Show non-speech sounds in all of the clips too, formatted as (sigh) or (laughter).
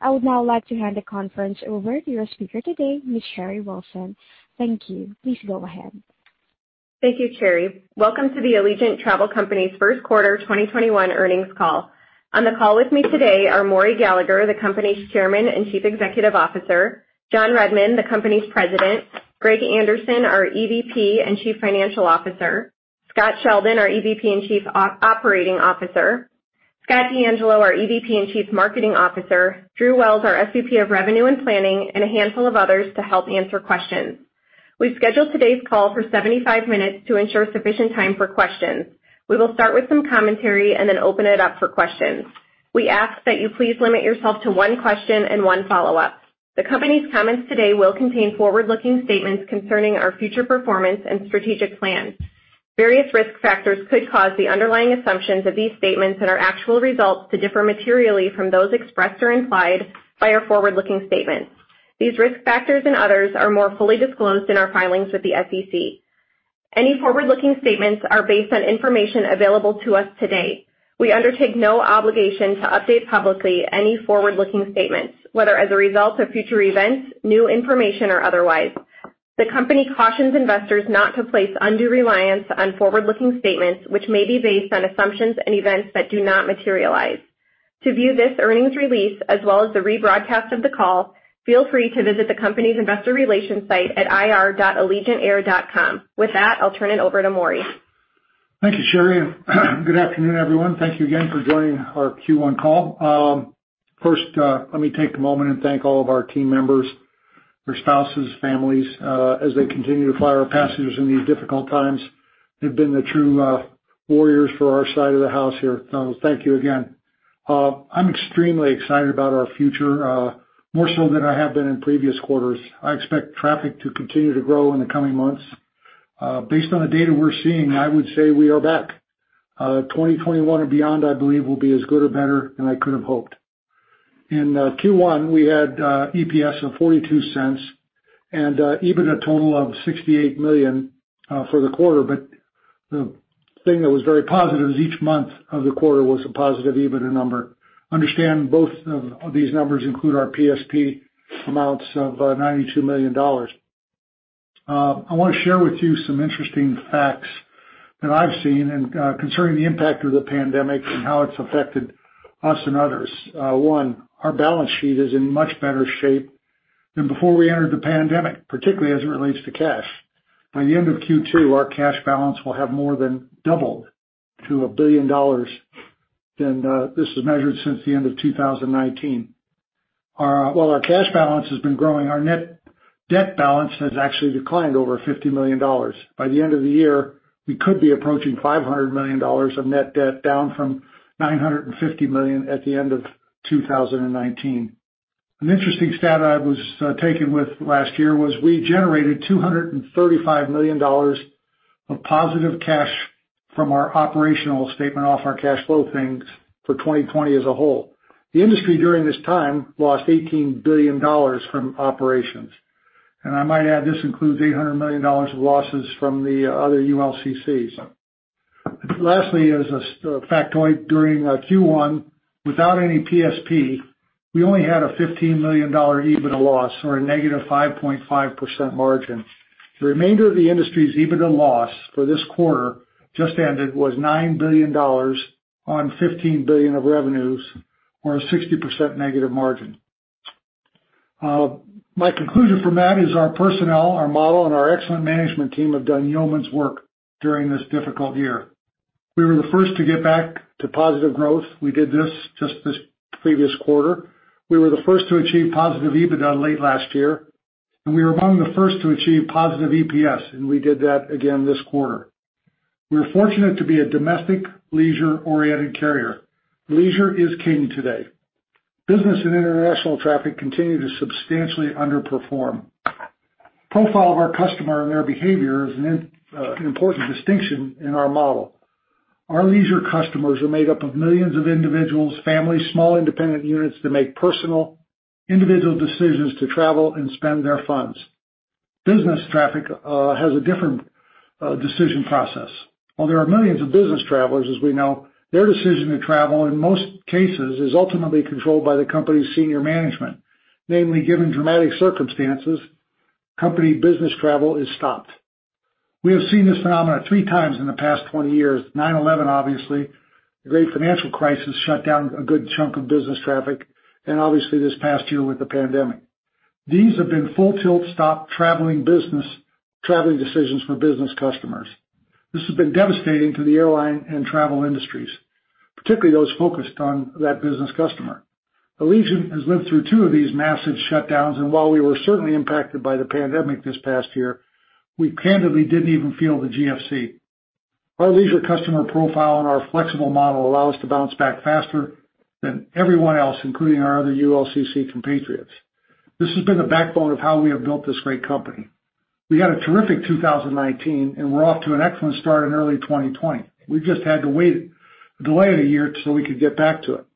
I would now like to hand the conference over to your speaker today, Ms. Sherry Wilson. Thank you. Please go ahead. Thank you, Sherry. Welcome to the Allegiant Travel Company's First Quarter 2021 Earnings Call. On the call with me today are Maury Gallagher, the company's Chairman and Chief Executive Officer, John Redmond, the company's President, Greg Anderson, our EVP and Chief Financial Officer, Scott Sheldon, our EVP and Chief Operating Officer, Scott DeAngelo, our EVP and Chief Marketing Officer, Drew Wells, our SVP of Revenue and Planning, and a handful of others to help answer questions. We scheduled today's call for 75 minutes to ensure sufficient time for questions. We will start with some commentary and then open it up for questions. We ask that you please limit yourself to one question and one follow-up. The company's comments today will contain forward-looking statements concerning our future performance and strategic plans. Various risk factors could cause the underlying assumptions of these statements and our actual results to differ materially from those expressed or implied by our forward-looking statements. These risk factors and others are more fully disclosed in our filings with the SEC. Any forward-looking statements are based on information available to us today. We undertake no obligation to update publicly any forward-looking statements, whether as a result of future events, new information, or otherwise. The company cautions investors not to place undue reliance on forward-looking statements, which may be based on assumptions and events that do not materialize. To view this earnings release as well as the rebroadcast of the call, feel free to visit the company's investor relations site at ir.allegiantair.com. With that, I'll turn it over to Maury. Thank you, Sherry. Good afternoon, everyone. Thank you again for joining our Q1 call. First, let me take a moment and thank all of our team members, their spouses, families, as they continue to fly our passengers in these difficult times. They've been the true warriors for our side of the house here. Thank you again. I'm extremely excited about our future, more so than I have been in previous quarters. I expect traffic to continue to grow in the coming months. Based on the data we're seeing, I would say we are back. 2021 or beyond, I believe, will be as good or better than I could have hoped. In Q1, we had EPS of $0.42 and EBITDA a total of $68 million for the quarter. The thing that was very positive is each month of the quarter was a positive EBITDA number. Understand both of these numbers include our PSP amounts of $92 million. I want to share with you some interesting facts that I've seen concerning the impact of the pandemic and how it's affected us and others. One, our balance sheet is in much better shape than before we entered the pandemic, particularly as it relates to cash. By the end of Q2, our cash balance will have more than doubled to $1 billion than this was measured since the end of 2019. Our cash balance has been growing, our net debt balance has actually declined over $50 million. By the end of the year, we could be approaching $500 million of net debt, down from $950 million at the end of 2019. An interesting stat I was taken with last year was we generated $235 million of positive cash from our operational statement off our cash flow things for 2020 as a whole. The industry during this time lost $18 billion from operations. I might add, this includes $800 million of losses from the other ULCCs. Lastly, as a factoid, during Q1, without any PSP, we only had a $15 million EBITDA loss or a negative 5.5% margin. The remainder of the industry's EBITDA loss for this quarter just ended was $9 billion on $15 billion of revenues or a 60% negative margin. My conclusion from that is our personnel, our model, and our excellent management team have done yeoman's work during this difficult year. We were the first to get back to positive growth. We did this just this previous quarter. We were the first to achieve positive EBITDA late last year, and we were among the first to achieve positive EPS, and we did that again this quarter. We are fortunate to be a domestic leisure-oriented carrier. Leisure is king today. Business and international traffic continue to substantially underperform. Profile of our customer and their behavior is an important distinction in our model. Our leisure customers are made up of millions of individuals, families, small independent units that make personal individual decisions to travel and spend their funds. Business traffic has a different decision process. While there are millions of business travelers as we know, their decision to travel, in most cases, is ultimately controlled by the company's senior management, namely, given dramatic circumstances, company business travel is stopped. We have seen this phenomena three times in the past 20 years, 9-11 obviously, the great financial crisis shut down a good chunk of business traffic, and obviously this past year with the pandemic. These have been full-tilt stop traveling decisions for business customers. This has been devastating to the airline and travel industries, particularly those focused on that business customer. Allegiant has lived through two of these massive shutdowns, and while we were certainly impacted by the pandemic this past year, we candidly didn't even feel the GFC. Our leisure customer profile and our flexible model allow us to bounce back faster than everyone else, including our other ULCC compatriots. This has been the backbone of how we have built this great company. We had a terrific 2019, and we're off to an excellent start in early 2020. We've just had to wait, delay it a year so we could get back to it.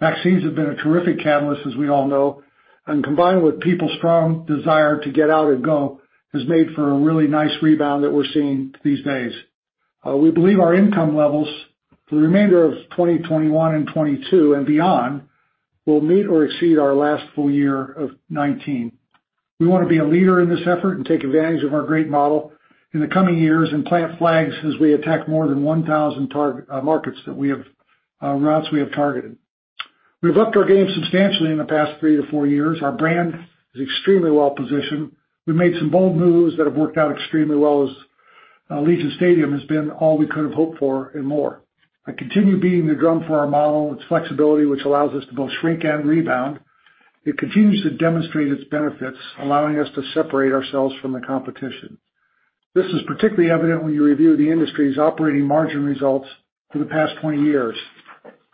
Vaccines have been a terrific catalyst, as we all know, and combined with people's strong desire to get out and go, has made for a really nice rebound that we're seeing these days. We believe our income levels for the remainder of 2021 and 2022 and beyond will meet or exceed our last full year of 2019. We want to be a leader in this effort and take advantage of our great model in the coming years and plant flags as we attack more than 1,000 routes we have targeted. We've upped our game substantially in the past three to four years. Our brand is extremely well-positioned. We made some bold moves that have worked out extremely well, as Allegiant Stadium has been all we could have hoped for and more. I continue beating the drum for our model, its flexibility, which allows us to both shrink and rebound. It continues to demonstrate its benefits, allowing us to separate ourselves from the competition. This is particularly evident when you review the industry's operating margin results for the past 20 years.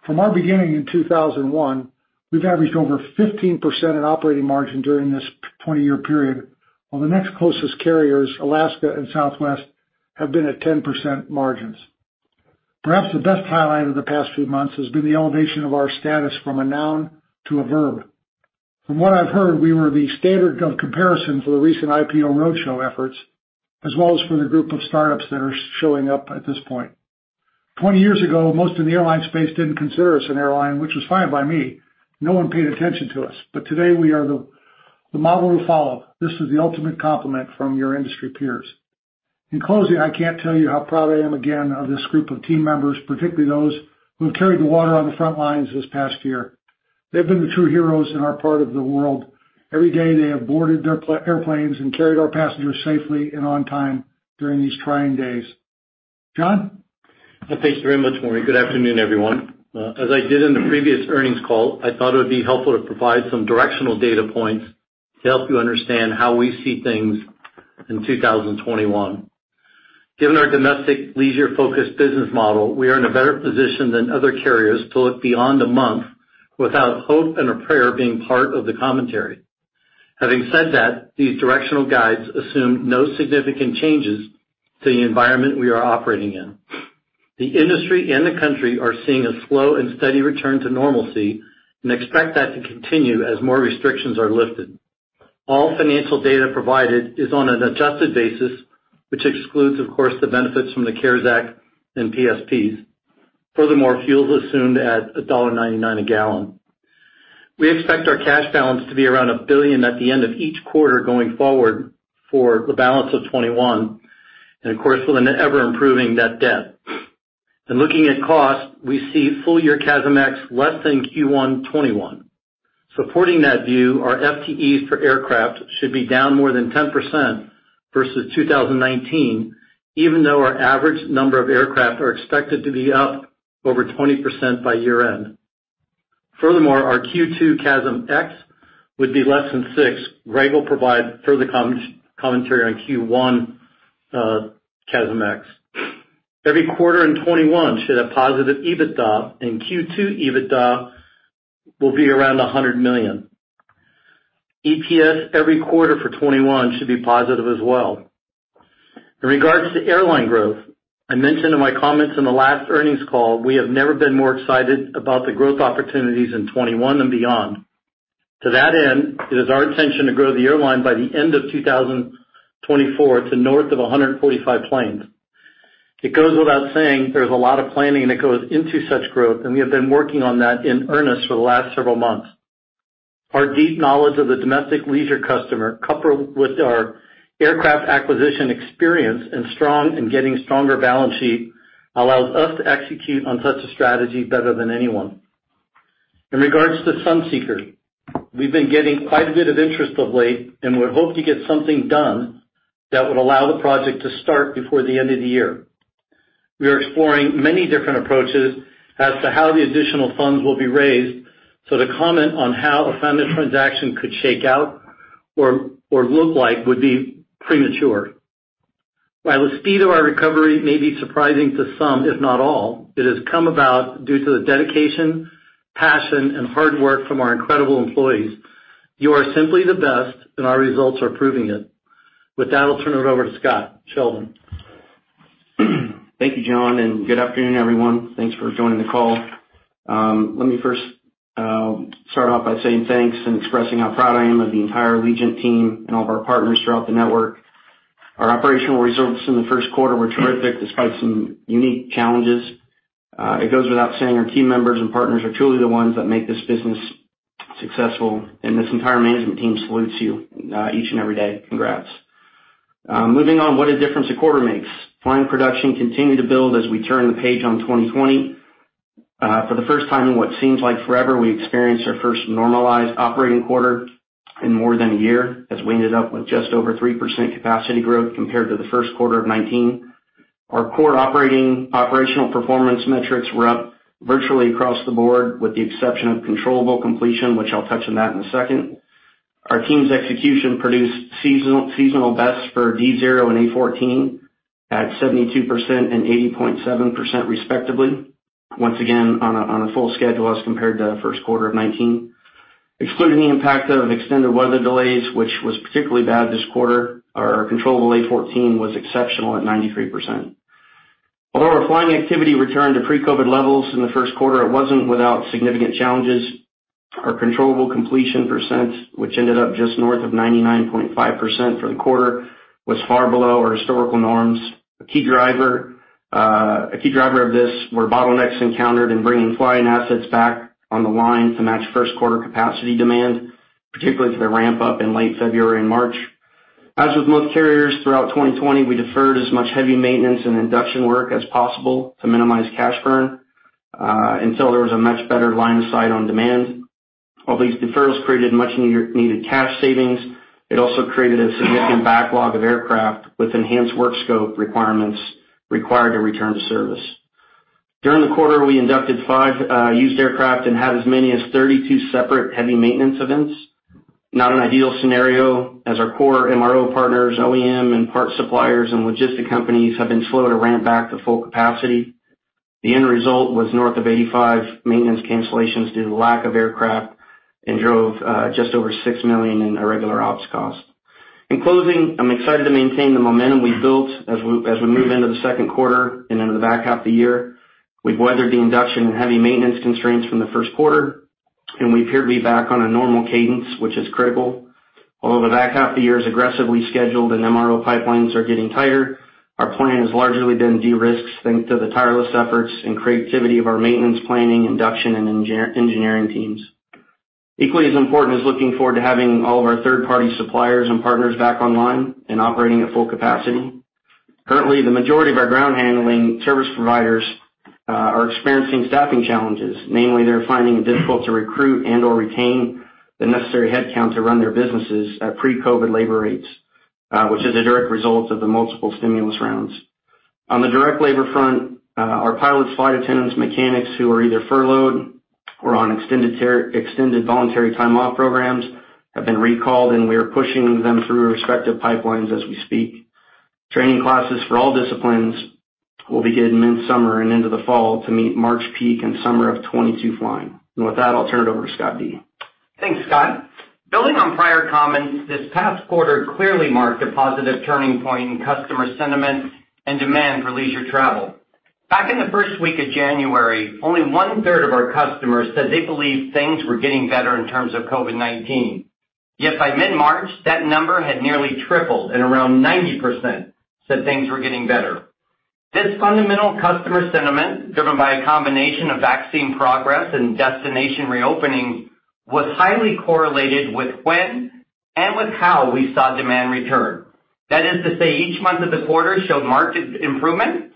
From our beginning in 2001, we've averaged over 15% in operating margin during this 20-year period, while the next closest carriers, Alaska and Southwest, have been at 10% margins. Perhaps the best highlight of the past few months has been the elevation of our status from a noun to a verb. From what I've heard, we were the standard of comparison for the recent IPO roadshow efforts, as well as for the group of startups that are showing up at this point. 20 years ago, most in the airline space didn't consider us an airline, which was fine by me. No one paid attention to us. Today we are the model to follow. This is the ultimate compliment from your industry peers. In closing, I can't tell you how proud I am again of this group of team members, particularly those who have carried the water on the front lines this past year. They've been the true heroes in our part of the world. Every day, they have boarded their airplanes and carried our passengers safely and on time during these trying days. John? Thanks very much, Maury. Good afternoon, everyone. As I did in the previous earnings call, I thought it would be helpful to provide some directional data points to help you understand how we see things in 2021. Given our domestic leisure-focused business model, we are in a better position than other carriers to look beyond the month without hope and a prayer being part of the commentary. Having said that, these directional guides assume no significant changes to the environment we are operating in. The industry and the country are seeing a slow and steady return to normalcy and expect that to continue as more restrictions are lifted. All financial data provided is on an adjusted basis, which excludes, of course, the benefits from the CARES Act and PSPs. Furthermore, fuel is assumed at $1.99 a gallon. We expect our cash balance to be around $1 billion at the end of each quarter going forward for the balance of 2021, and of course, with an ever-improving net debt. In looking at cost, we see full year CASM-ex less than Q1 2021. Supporting that view, our FTEs for aircraft should be down more than 10% versus 2019, even though our average number of aircraft are expected to be up over 20% by year-end. Furthermore, our Q2 CASM-ex would be less than 6. Greg will provide further commentary on Q1 CASM-ex. Every quarter in 2021 should have positive EBITDA, and Q2 EBITDA will be around $100 million. EPS every quarter for 2021 should be positive as well. In regards to airline growth, I mentioned in my comments in the last earnings call, we have never been more excited about the growth opportunities in 2021 and beyond. To that end, it is our intention to grow the airline by the end of 2024 to north of 145 planes. It goes without saying there's a lot of planning that goes into such growth, and we have been working on that in earnest for the last several months. Our deep knowledge of the domestic leisure customer, coupled with our aircraft acquisition experience and strong and getting stronger balance sheet, allows us to execute on such a strategy better than anyone. In regards to Sunseeker, we've been getting quite a bit of interest of late, and we hope to get something done that would allow the project to start before the end of the year. We are exploring many different approaches as to how the additional funds will be raised. To comment on how a funded transaction could shake out or look like would be premature. While the speed of our recovery may be surprising to some, if not all, it has come about due to the dedication, passion, and hard work from our incredible employees. You are simply the best, and our results are proving it. With that, I'll turn it over to Scott Sheldon. Thank you, John. Good afternoon, everyone. Thanks for joining the call. Let me first start off by saying thanks and expressing how proud I am of the entire Allegiant team and all of our partners throughout the network. Our operational results in the first quarter were terrific despite some unique challenges. It goes without saying, our team members and partners are truly the ones that make this business successful, and this entire management team salutes you each and every day. Congrats. Moving on, what a difference a quarter makes. Flying production continued to build as we turn the page on 2020. For the first time in what seems like forever, we experienced our first normalized operating quarter in more than a year as we ended up with just over 3% capacity growth compared to the first quarter of 2019. Our core operating operational performance metrics were up virtually across the board, with the exception of controllable completion, which I'll touch on that in a second. Our team's execution produced seasonal bests for D0 and A14 at 72% and 80.7% respectively. Once again, on a full schedule as compared to first quarter of 2019. Excluding the impact of extended weather delays, which was particularly bad this quarter, our controllable A14 was exceptional at 93%. Although our flying activity returned to pre-COVID levels in the first quarter, it wasn't without significant challenges. Our controllable completion percentage, which ended up just north of 99.5% for the quarter, was far below our historical norms. A key driver of this were bottlenecks encountered in bringing flying assets back on the line to match first quarter capacity demand, particularly for the ramp up in late February and March. As with most carriers throughout 2020, we deferred as much heavy maintenance and induction work as possible to minimize cash burn, until there was a much better line of sight on demand. While these deferrals created much needed cash savings, it also created a significant backlog of aircraft with enhanced work scope requirements required to return to service. During the quarter, we inducted five used aircraft and had as many as 32 separate heavy maintenance events. Not an ideal scenario as our core MRO partners, OEM, and parts suppliers and logistic companies have been slow to ramp back to full capacity. The end result was north of 85 maintenance cancellations due to lack of aircraft and drove just over $6 million in irregular ops cost. In closing, I'm excited to maintain the momentum we've built as we move into the second quarter and into the back half of the year. We've weathered the induction and heavy maintenance constraints from the first quarter, and we appear to be back on a normal cadence, which is critical. Although the back half of the year is aggressively scheduled and MRO pipelines are getting tighter, our plan has largely been de-risked thanks to the tireless efforts and creativity of our maintenance planning, induction, and engineering teams. Equally as important is looking forward to having all of our third-party suppliers and partners back online and operating at full capacity. Currently, the majority of our ground handling service providers are experiencing staffing challenges. Mainly, they're finding it difficult to recruit and/or retain the necessary headcount to run their businesses at pre-COVID labor rates, which is a direct result of the multiple stimulus rounds. On the direct labor front, our pilots, flight attendants, mechanics who are either furloughed or on extended voluntary time off programs have been recalled, and we are pushing them through respective pipelines as we speak. Training classes for all disciplines will begin mid-summer and into the fall to meet March peak and summer of 2022 flying. With that, I'll turn it over to Scott D. Thanks, Scott. Building on prior comments, this past quarter clearly marked a positive turning point in customer sentiment and demand for leisure travel. Back in the first week of January, only one-third of our customers said they believed things were getting better in terms of COVID-19. By mid-March, that number had nearly tripled and around 90% said things were getting better. This fundamental customer sentiment, driven by a combination of vaccine progress and destination reopening, was highly correlated with when and with how we saw demand return. That is to say, each month of the quarter showed marked improvements,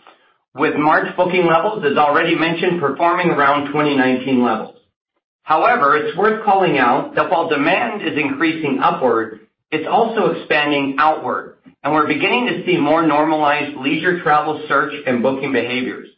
with March booking levels, as already mentioned, performing around 2019 levels. It's worth calling out that while demand is increasing upward, it's also expanding outward, and we're beginning to see more normalized leisure travel search and booking behaviors.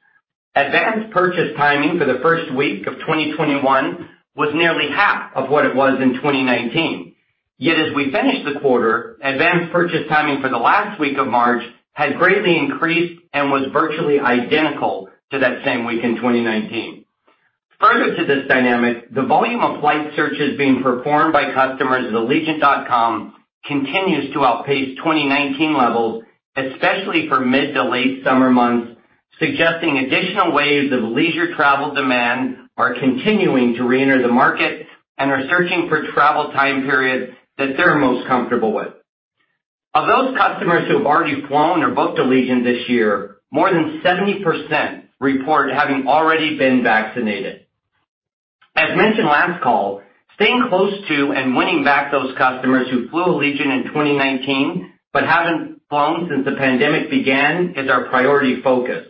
Advanced purchase timing for the first week of 2021 was nearly half of what it was in 2019. As we finish the quarter, advanced purchase timing for the last week of March had greatly increased and was virtually identical to that same week in 2019. Further to this dynamic, the volume of flight searches being performed by customers at allegiant.com continues to outpace 2019 levels, especially for mid to late summer months, suggesting additional waves of leisure travel demand are continuing to reenter the market and are searching for travel time periods that they're most comfortable with. Of those customers who have already flown or booked Allegiant this year, more than 70% report having already been vaccinated. As mentioned last call, staying close to and winning back those customers who flew Allegiant in 2019 but haven't flown since the pandemic began is our priority focus.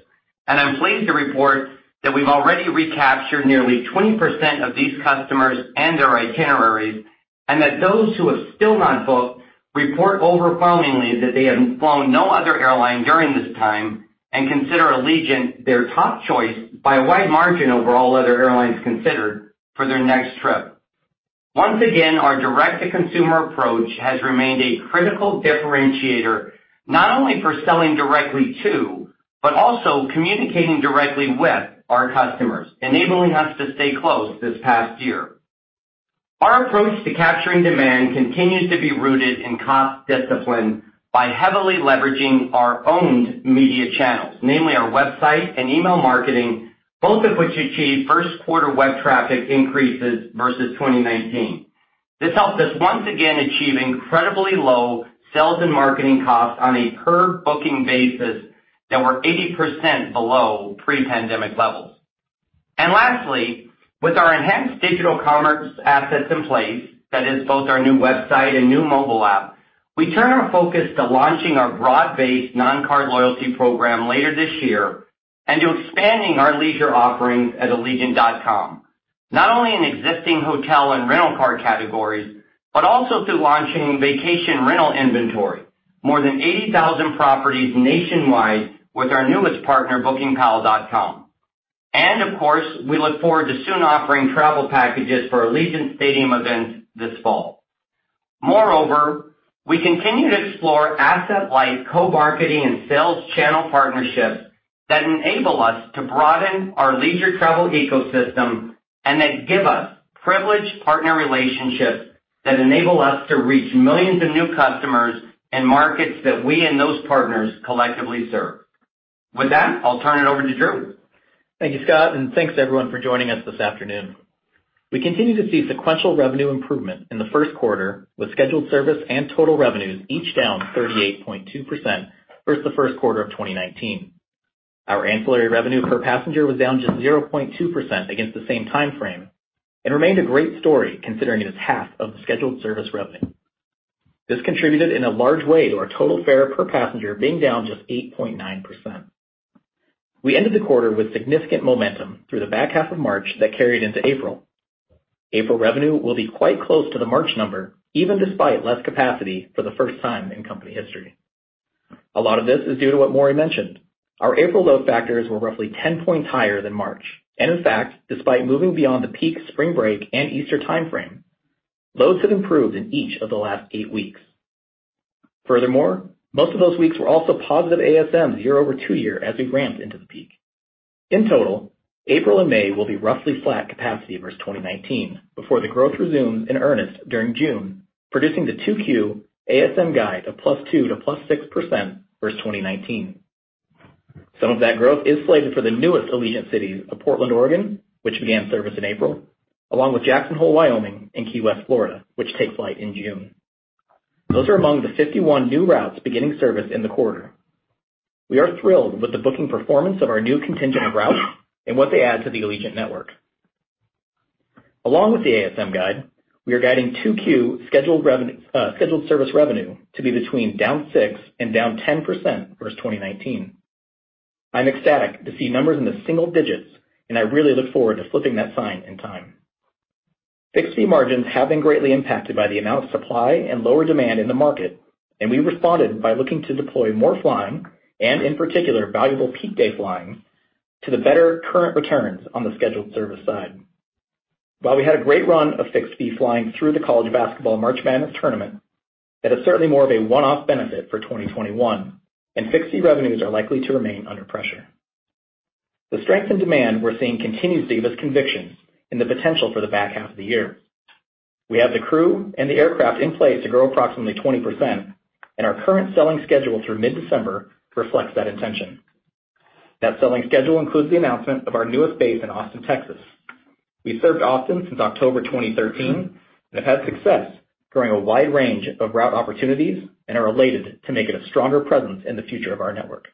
I'm pleased to report that we've already recaptured nearly 20% of these customers and their itineraries, and that those who have still not booked report overwhelmingly that they have flown no other airline during this time and consider Allegiant their top choice by a wide margin over all other airlines considered for their next trip. Once again, our direct-to-consumer approach has remained a critical differentiator, not only for selling directly to, but also communicating directly with our customers, enabling us to stay close this past year. Our approach to capturing demand continues to be rooted in cost discipline by heavily leveraging our owned media channels, namely our website and email marketing, both of which achieved first quarter web traffic increases versus 2019. This helped us once again achieve incredibly low sales and marketing costs on a per-booking basis that were 80% below pre-pandemic levels. Lastly, with our enhanced digital commerce assets in place, that is both our new website and new mobile app, we turn our focus to launching our broad-based non-card loyalty program later this year and to expanding our leisure offerings at allegiant.com, not only in existing hotel and rental car categories, but also through launching vacation rental inventory. More than 80,000 properties nationwide with our newest partner, BookingPal.com. And of course, we look forward to soon offering travel packages for Allegiant Stadium events this fall. Moreover, we continue to explore asset-light co-marketing and sales channel partnerships that enable us to broaden our leisure travel ecosystem and that give us privileged partner relationships that enable us to reach millions of new customers in markets that we and those partners collectively serve. With that, I'll turn it over to Drew. Thank you, Scott, and thanks everyone for joining us this afternoon. We continue to see sequential revenue improvement in the first quarter with scheduled service and total revenues each down 38.2% versus the first quarter of 2019. Our ancillary revenue per passenger was down just 0.2% against the same timeframe and remained a great story considering it is half of the scheduled service revenue. This contributed in a large way to our total fare per passenger being down just 8.9%. We ended the quarter with significant momentum through the back half of March that carried into April. April revenue will be quite close to the March number, even despite less capacity for the first time in company history. A lot of this is due to what Maury mentioned. Our April load factors were roughly 10 points higher than March. In fact, despite moving beyond the peak spring break and Easter timeframe, loads have improved in each of the last eight weeks. Furthermore, most of those weeks were also positive ASMs year-over-two-year as we ramped into the peak. In total, April and May will be roughly flat capacity versus 2019 before the growth resumes in earnest during June, producing the 2Q ASM guide of +2% to +6% versus 2019. Some of that growth is slated for the newest Allegiant cities of Portland, Oregon, which began service in April, along with Jackson Hole, Wyoming and Key West, Florida, which take flight in June. Those are among the 51 new routes beginning service in the quarter. We are thrilled with the booking performance of our new contingent of routes and what they add to the Allegiant network. Along with the ASM guide, we are guiding 2Q scheduled service revenue to be between down 6% and down 10% versus 2019. I'm ecstatic to see numbers in the single digits, and I really look forward to flipping that sign in time. fixed fee margins have been greatly impacted by the amount of supply and lower demand in the market. We responded by looking to deploy more flying and in particular, valuable peak day flying to the better current returns on the scheduled service side. While we had a great run of fixed fee flying through the college basketball March Madness tournament, that is certainly more of a one-off benefit for 2021. fixed fee revenues are likely to remain under pressure. The strength in demand we're seeing continues to give us conviction in the potential for the back half of the year. We have the crew and the aircraft in place to grow approximately 20%, and our current selling schedule through mid-December reflects that intention. That selling schedule includes the announcement of our newest base in Austin, Texas. We've served Austin since October 2013 and have had success growing a wide range of route opportunities and are elated to make it a stronger presence in the future of our network.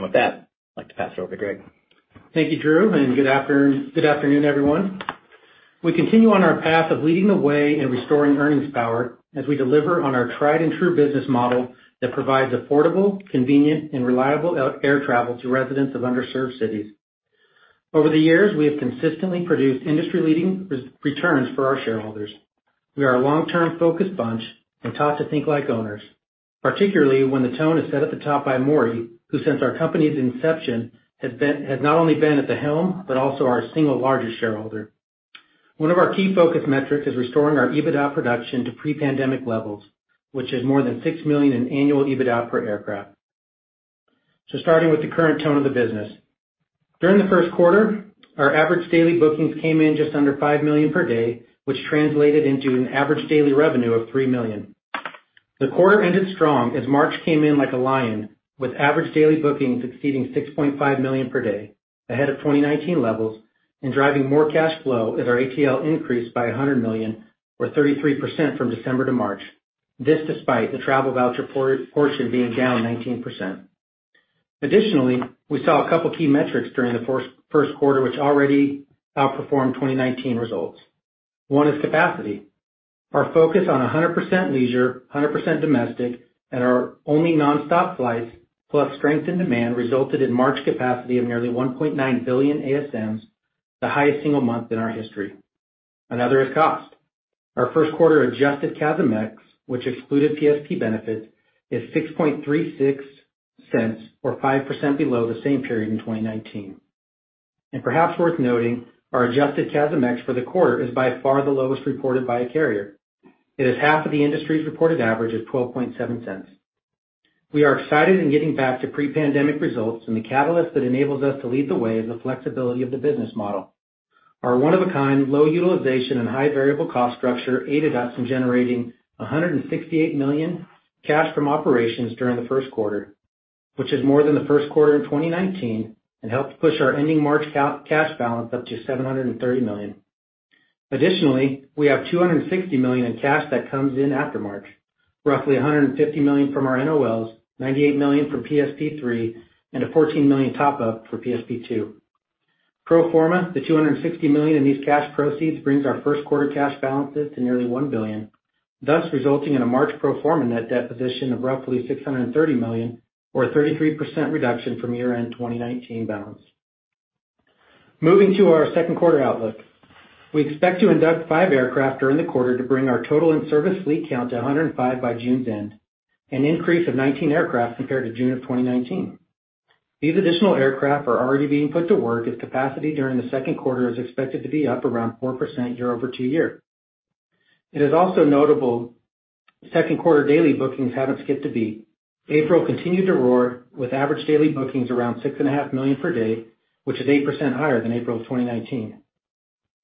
With that, I'd like to pass it over to Greg. Thank you, Drew, and good afternoon, everyone. We continue on our path of leading the way in restoring earnings power as we deliver on our tried and true business model that provides affordable, convenient and reliable air travel to residents of underserved cities. Over the years, we have consistently produced industry-leading returns for our shareholders. We are a long-term focused bunch and taught to think like owners, particularly when the tone is set at the top by Maury, who since our company's inception has not only been at the helm, but also our single largest shareholder. One of our key focus metrics is restoring our EBITDA production to pre-pandemic levels, which is more than $6 million in annual EBITDA per aircraft. Starting with the current tone of the business. During the first quarter, our average daily bookings came in just under $5 million per day, which translated into an average daily revenue of $3 million. The quarter ended strong as March came in like a lion with average daily bookings exceeding $6.5 million per day ahead of 2019 levels and driving more cash flow as our ATL increased by $100 million or 33% from December to March. This despite the travel voucher portion being down 19%. Additionally, we saw a couple of key metrics during the first quarter which already outperformed 2019 results. One is capacity. Our focus on 100% leisure, 100% domestic at our only nonstop flights plus strength in demand resulted in March capacity of nearly 1.9 billion ASMs, the highest single month in our history. Another is cost. Our first quarter adjusted CASM-ex, which excluded PSP benefits, is $0.0636 or 5% below the same period in 2019. Perhaps worth noting, our adjusted CASM-ex for the quarter is by far the lowest reported by a carrier. It is half of the industry's reported average of $0.127. We are excited in getting back to pre-pandemic results and the catalyst that enables us to lead the way is the flexibility of the business model. Our one-of-a-kind, low utilization and high variable cost structure aided us in generating $168 million cash from operations during the first quarter, which is more than the first quarter in 2019 and helped push our ending March cash balance up to $730 million. Additionally, we have $260 million in cash that comes in after March. Roughly $150 million from our NOLs, $98 million from PSP 3, and a $14 million top-up for PSP 2. Pro forma, the $260 million in these cash proceeds brings our first quarter cash balances to nearly $1 billion, thus resulting in a March pro forma net debt position of roughly $630 million or a 33% reduction from year-end 2019 balance. Moving to our second quarter outlook. We expect to induct five aircraft during the quarter to bring our total in-service fleet count to 105 by June's end, an increase of 19 aircraft compared to June of 2019. These additional aircraft are already being put to work as capacity during the second quarter is expected to be up around 4% year-over-two-year. It is also notable second quarter daily bookings haven't skipped a beat. April continued to roar with average daily bookings around $6.5 million per day, which is 8% higher than April 2019.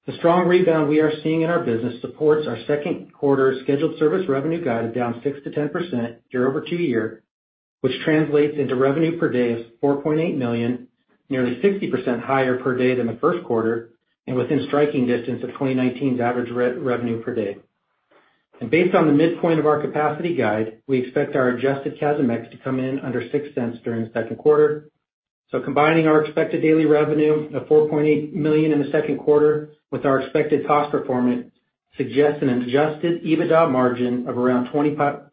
The strong rebound we are seeing in our business supports our second quarter scheduled service revenue guide down 6%-10% year-over-two-year, which translates into revenue per day of $4.8 million, nearly 60% higher per day than the first quarter, and within striking distance of 2019's average revenue per day. Based on the midpoint of our capacity guide, we expect our adjusted CASM-ex to come in under $0.06 during the second quarter. Combining our expected daily revenue of $4.8 million in the second quarter with our expected cost performance suggests an adjusted EBITDA margin of around 25%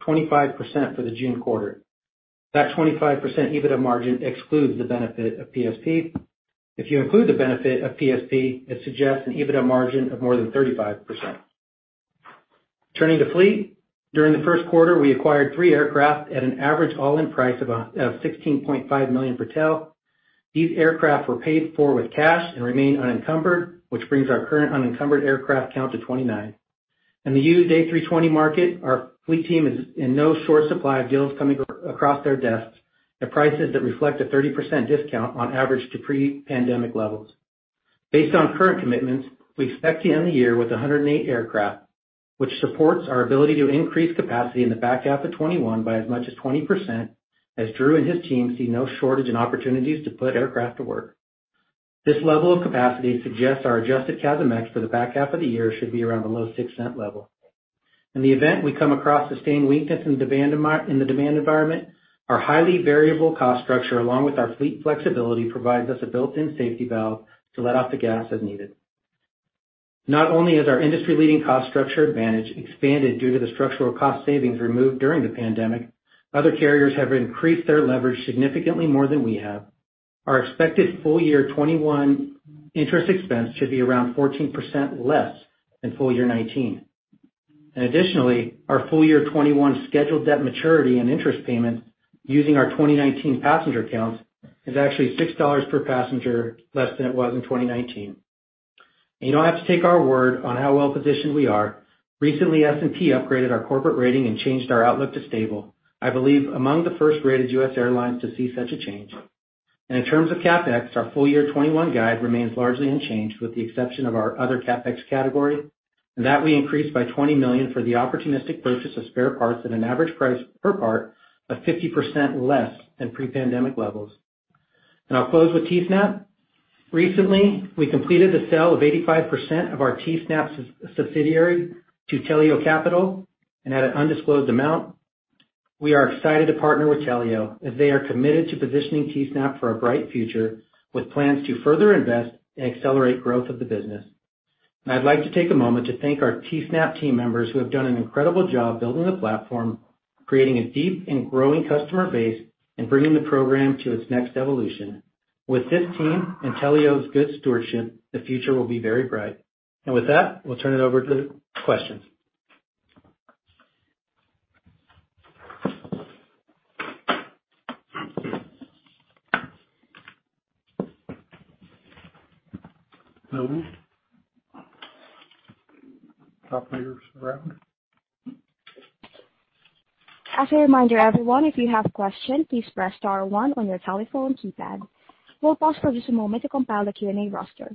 for the June quarter. That 25% EBITDA margin excludes the benefit of PSP. If you include the benefit of PSP, it suggests an EBITDA margin of more than 35%. Turning to fleet, during the first quarter, we acquired three aircraft at an average all-in price of $16.5 million per tail. These aircraft were paid for with cash and remain unencumbered, which brings our current unencumbered aircraft count to 29. In the used A320 market, our fleet team is in no short supply of deals coming across their desks at prices that reflect a 30% discount on average to pre-pandemic levels. Based on current commitments, we expect to end the year with 108 aircraft, which supports our ability to increase capacity in the back half of 2021 by as much as 20%, as Drew and his team see no shortage in opportunities to put aircraft to work. This level of capacity suggests our adjusted CASM-ex for the back half of the year should be around the low $0.06 level. In the event we come across sustained weakness in the demand environment, our highly variable cost structure, along with our fleet flexibility, provides us a built-in safety valve to let off the gas as needed. Not only has our industry-leading cost structure advantage expanded due to the structural cost savings removed during the pandemic, other carriers have increased their leverage significantly more than we have. Our expected full year 2021 interest expense should be around 14% less than full year 2019. Additionally, our full year 2021 scheduled debt maturity and interest payments using our 2019 passenger counts is actually $6 per passenger less than it was in 2019. You don't have to take our word on how well-positioned we are. Recently, S&P upgraded our corporate rating and changed our outlook to stable, I believe among the first rated U.S. airlines to see such a change. In terms of CapEx, our full year 2021 guide remains largely unchanged, with the exception of our other CapEx category, and that we increased by $20 million for the opportunistic purchase of spare parts at an average price per part of 50% less than pre-pandemic levels. I'll close with Teesnap. Recently, we completed the sale of 85% of our Teesnap subsidiary to TELEO Capital at an undisclosed amount. We are excited to partner with TELEO as they are committed to positioning Teesnap for a bright future, with plans to further invest and accelerate growth of the business. I'd like to take a moment to thank our Teesnap team members who have done an incredible job building the platform, creating a deep and growing customer base, and bringing the program to its next evolution. With this team and TELEO's good stewardship, the future will be very bright. With that, we'll turn it over to questions. (audio distortion) As a reminder, everyone, if you have a question, please press star one on your telephone keypad. We'll pause for just a moment to compile the Q&A roster.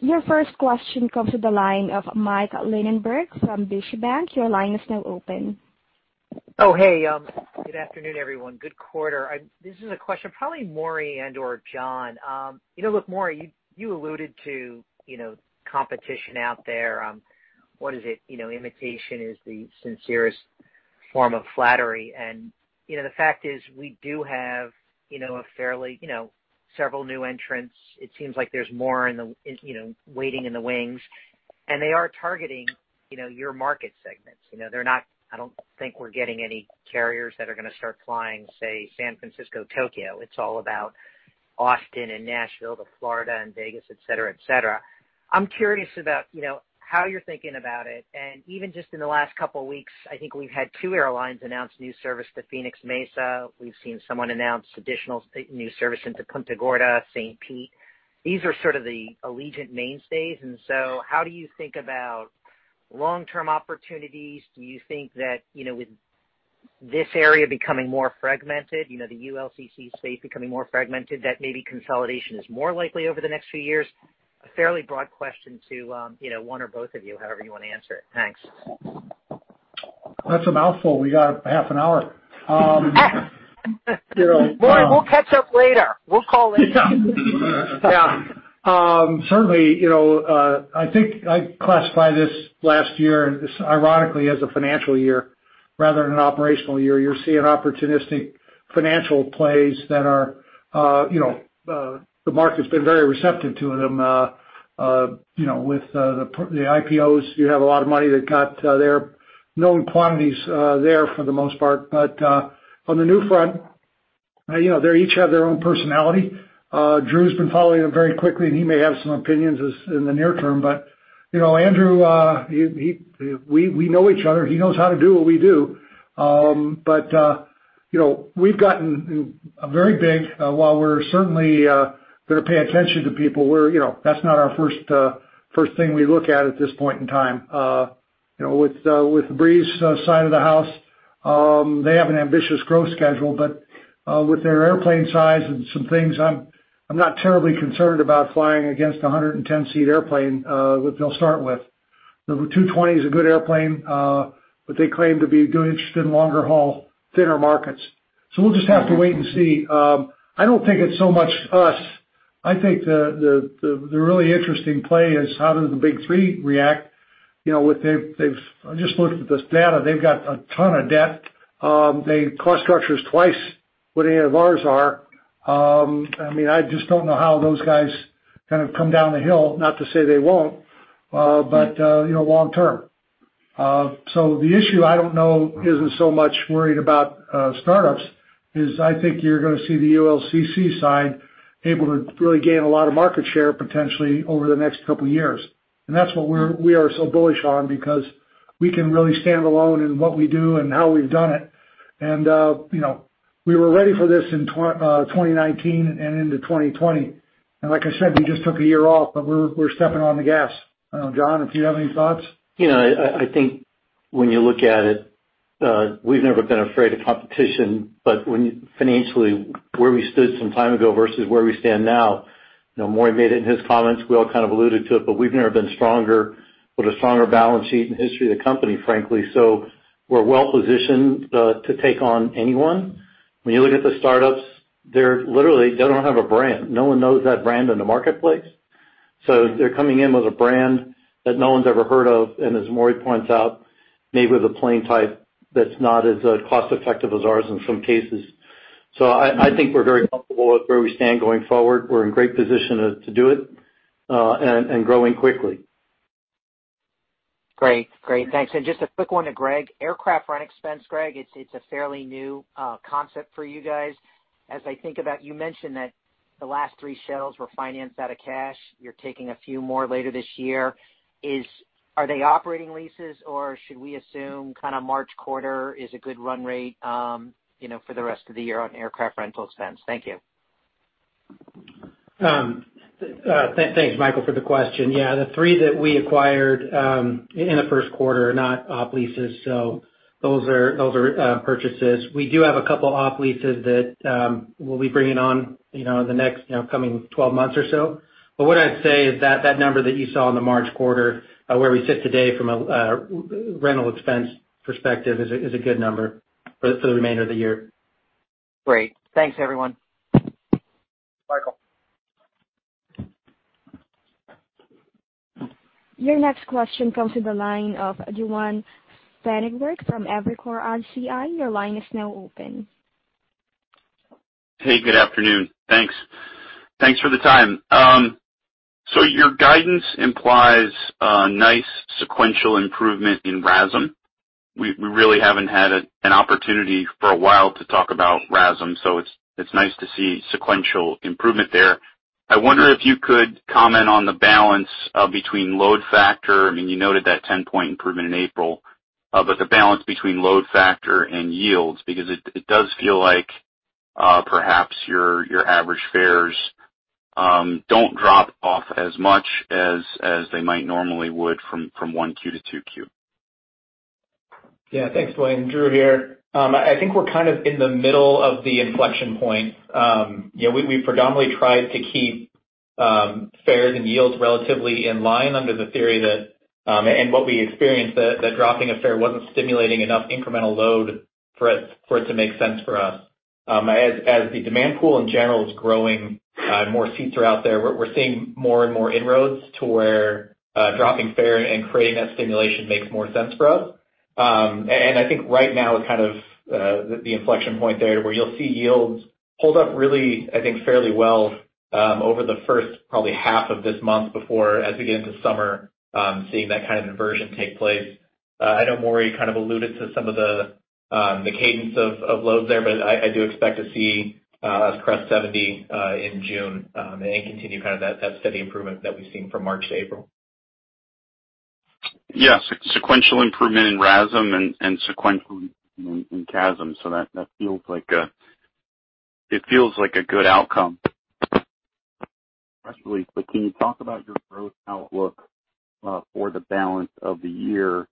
Your first question comes to the line of Mike Linenberg from Deutsche Bank. Your line is now open. Oh, hey. Good afternoon, everyone. Good quarter. This is a question probably Maury and John. Look, Maury, you alluded to competition out there. What is it? Imitation is the sincerest form of flattery. The fact is, we do have several new entrants. It seems like there's more waiting in the wings, and they are targeting your market segments. I don't think we're getting any carriers that are going to start flying, say, San Francisco to Tokyo. It's all about Austin and Nashville to Florida and Vegas, et cetera. I'm curious about how you're thinking about it. Even just in the last couple of weeks, I think we've had two airlines announce new service to Phoenix-Mesa. We've seen someone announce additional new service into Punta Gorda, St. Pete. These are sort of the Allegiant mainstays, and so how do you think about long-term opportunities? Do you think that with this area becoming more fragmented, the ULCC space becoming more fragmented, that maybe consolidation is more likely over the next few years? A fairly broad question to one or both of you, however you want to answer it. Thanks. That's a mouthful. We got half an hour. We'll catch up later. We'll call in. Yeah. Certainly, I think I'd classify this last year, ironically, as a financial year rather than an operational year. You're seeing opportunistic financial plays. The market's been very receptive to them with the IPOs. You have a lot of money, they've got their known quantities there for the most part. On the new front, they each have their own personality. Drew's been following them very quickly, and he may have some opinions in the near term, but Andrew, we know each other. He knows how to do what we do. We've gotten very big. While we're certainly going to pay attention to people, that's not our first thing we look at at this point in time. With Breeze outside of the house They have an ambitious growth schedule, but with their airplane size and some things, I'm not terribly concerned about flying against 110-seat airplane, which they'll start with. The 220 is a good airplane, but they claim to be interested in longer haul thinner markets. We'll just have to wait and see. I don't think it's so much us. I think the really interesting play is how does the big three react. I just looked at this data. They've got a ton of debt. Their cost structure is twice what any of ours are. I just don't know how those guys come down the hill, not to say they won't, but long term. The issue, I don't know, isn't so much worried about startups, is I think you're going to see the ULCC side able to really gain a lot of market share potentially over the next couple of years. That's what we are so bullish on because we can really stand alone in what we do and how we've done it. We were ready for this in 2019 and into 2020. Like I said, we just took a year off, but we're stepping on the gas. I don't know, John, if you have any thoughts. I think when you look at it, we've never been afraid of competition, but financially, where we stood some time ago versus where we stand now, Maury made it in his comments, we all kind of alluded to it, but we've never been stronger with a stronger balance sheet in the history of the company, frankly. We're well-positioned to take on anyone. When you look at the startups, they don't have a brand. No one knows that brand in the marketplace. They're coming in with a brand that no one's ever heard of, and as Maury points out, maybe with a plane type that's not as cost-effective as ours in some cases. I think we're very comfortable with where we stand going forward. We're in great position to do it, and growing quickly. Great. Thanks. Just a quick one to Greg. Aircraft rent expense, Greg, it's a fairly new concept for you guys. You mentioned that the last three sales were financed out of cash. You're taking a few more later this year. Are they operating leases, or should we assume March quarter is a good run rate for the rest of the year on aircraft rental expense? Thank you. Thanks, Michael, for the question. Yeah, the three that we acquired in the first quarter are not op-leases. Those are purchases. We do have a couple op-leases that we'll be bringing on in the next coming 12 months or so. What I'd say is that number that you saw in the March quarter, where we sit today from a rental expense perspective, is a good number for the remainder of the year. Great. Thanks, everyone. Michael. Your next question comes to the line of Duane Pfennigwerth from Evercore ISI. Your line is now open. Hey, good afternoon. Thanks for the time. Your guidance implies a nice sequential improvement in RASM. We really haven't had an opportunity for a while to talk about RASM, so it's nice to see sequential improvement there. I wonder if you could comment on the balance between load factor, you noted that 10-point improvement in April, but the balance between load factor and yields, because it does feel like perhaps your average fares don't drop off as much as they might normally would from 1Q to 2Q. Yeah. Thanks, Duane. Drew here. I think we're kind of in the middle of the inflection point. We predominantly tried to keep fares and yields relatively in line under the theory that, and what we experienced, that dropping a fare wasn't stimulating enough incremental load for it to make sense for us. As the demand pool in general is growing, more seats are out there. We're seeing more and more inroads to where dropping fare and creating that stimulation makes more sense for us. I think right now is kind of the inflection point there where you'll see yields hold up really, I think, fairly well, over the first probably half of this month before, as we get into summer, seeing that kind of inversion take place. I know Maury kind of alluded to some of the cadence of loads there, but I do expect to see us cross 70 in June, and continue that steady improvement that we've seen from March to April. Yeah. Sequential improvement in RASM and sequential in CASM, that feels like a good outcome. Can you talk about your growth outlook for the balance of the year?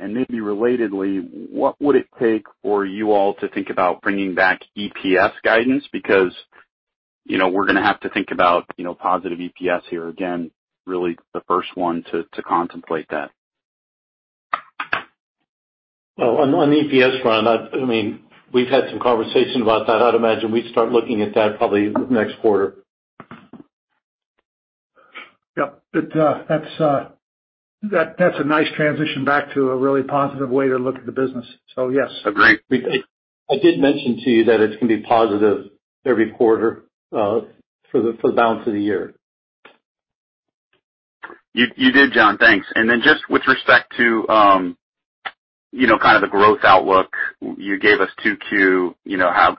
Maybe relatedly, what would it take for you all to think about bringing back EPS guidance? We're going to have to think about positive EPS here again, really the first one to contemplate that. On the EPS front, we've had some conversation about that. I'd imagine we'd start looking at that probably next quarter. Yep. That's a nice transition back to a really positive way to look at the business. Yes. Agreed. I did mention to you that it's going to be positive every quarter for the balance of the year. You did, John. Thanks. Just with respect to the growth outlook, you gave us 2Q.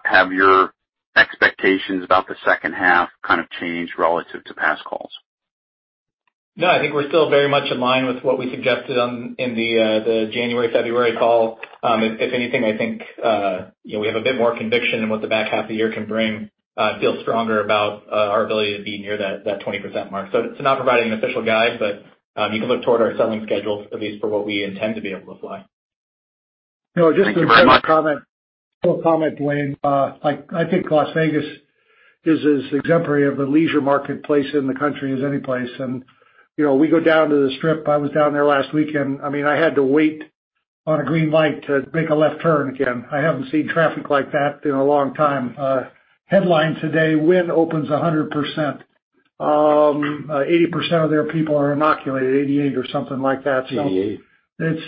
Have your expectations about the second half changed relative to past calls? I think we're still very much in line with what we suggested in the January, February call. I think we have a bit more conviction in what the back half of the year can bring. I feel stronger about our ability to be near that 20% mark. To not provide an official guide, you can look toward our selling schedules at least for what we intend to be able to fly. No, just to comment. A little comment, Duane. I think Las Vegas is as exemplary of the leisure marketplace in the country as any place. We go down to The Strip. I was down there last weekend. I had to wait on a green light to make a left turn again. I haven't seen traffic like that in a long time. Headline today, Wynn opens 100%. 80% of their people are inoculated, 88 or something like that. 88.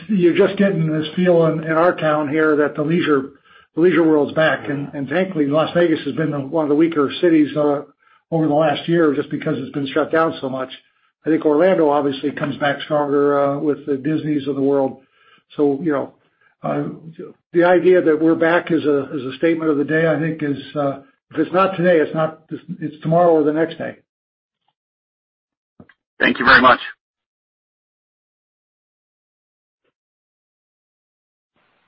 You're just getting this feeling in our town here that the leisure world's back. Frankly, Las Vegas has been one of the weaker cities over the last year just because it's been shut down so much. I think Orlando obviously comes back stronger with the Disneys of the world. The idea that we're back as a statement of the day, I think is, if it's not today, it's tomorrow or the next day. Thank you very much.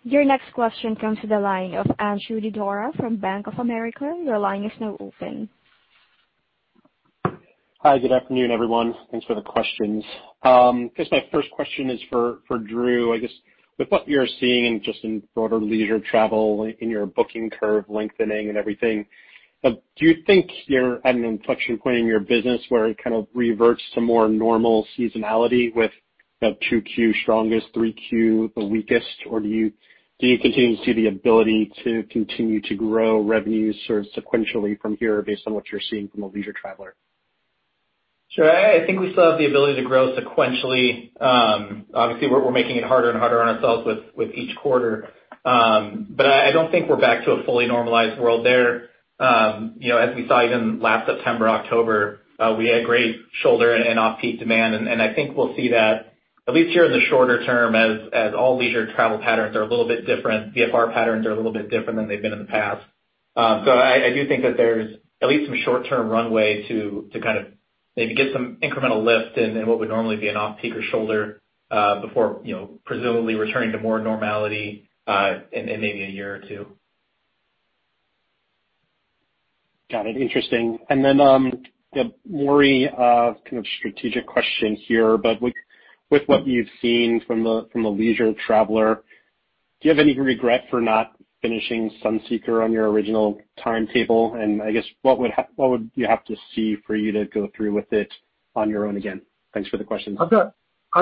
Your next question comes to the line of Andrew Didora from Bank of America. Your line is now open. Hi. Good afternoon, everyone. Thanks for the questions. I guess my first question is for Drew. I guess, with what you're seeing just in broader leisure travel in your booking curve lengthening and everything, do you think you're at an inflection point in your business where it kind of reverts to more normal seasonality with 2Q strongest, 3Q the weakest? Or do you continue to see the ability to continue to grow revenues sort of sequentially from here based on what you're seeing from a leisure traveler? Sure. I think we still have the ability to grow sequentially. We're making it harder and harder on ourselves with each quarter. I don't think we're back to a fully normalized world there. We saw even last September, October, we had great shoulder and off-peak demand, and I think we'll see that at least here in the shorter term as all leisure travel patterns are a little bit different. VFR patterns are a little bit different than they've been in the past. I do think that there's at least some short-term runway to kind of maybe get some incremental lift in what would normally be an off-peak or shoulder before presumably returning to more normality in maybe a year or two. Got it. Interesting. Maury, kind of strategic question here, but with what you've seen from the leisure traveler, do you have any regret for not finishing Sunseeker on your original timetable? I guess what would you have to see for you to go through with it on your own again? Thanks for the question. I've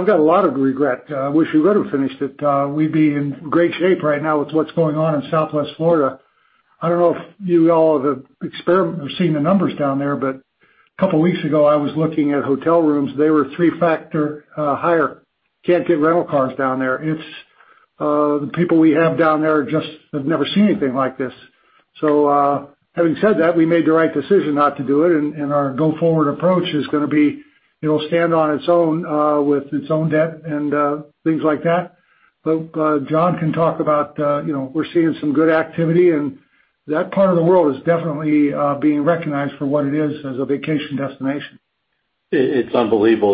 got a lot of regret. I wish we would've finished it. We'd be in great shape right now with what's going on in Southwest Florida. I don't know if you all have seen the numbers down there, but a couple of weeks ago, I was looking at hotel rooms. They were three-factor higher. Can't get rental cars down there. The people we have down there just have never seen anything like this. Having said that, we made the right decision not to do it, and our go-forward approach is going to be, it'll stand on its own with its own debt and things like that. John can talk about, we're seeing some good activity, and that part of the world is definitely being recognized for what it is as a vacation destination. It's unbelievable.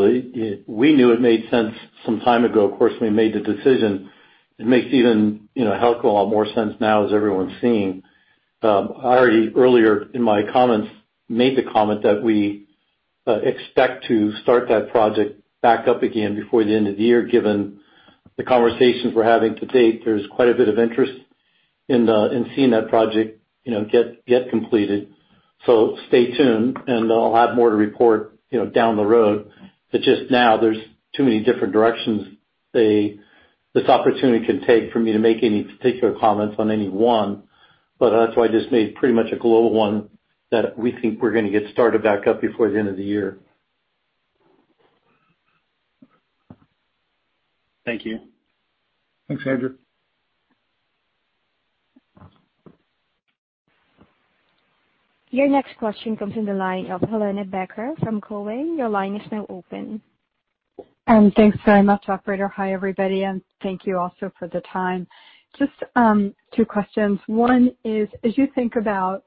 We knew it made sense some time ago. Of course, we made the decision. It makes even a hell of a lot more sense now as everyone's seeing. I already, earlier in my comments, made the comment that we expect to start that project back up again before the end of the year, given the conversations we're having to date. There's quite a bit of interest in seeing that project get completed. Stay tuned and I'll have more to report down the road. Just now, there's too many different directions this opportunity can take for me to make any particular comments on any one. That's why I just made pretty much a global one that we think we're going to get started back up before the end of the year. Thank you. Thanks, Andrew. Your next question comes on the line of Helane Becker from Cowen. Your line is now open. Thanks very much, operator. Hi, everybody, and thank you also for the time. Just two questions. One is, as you think about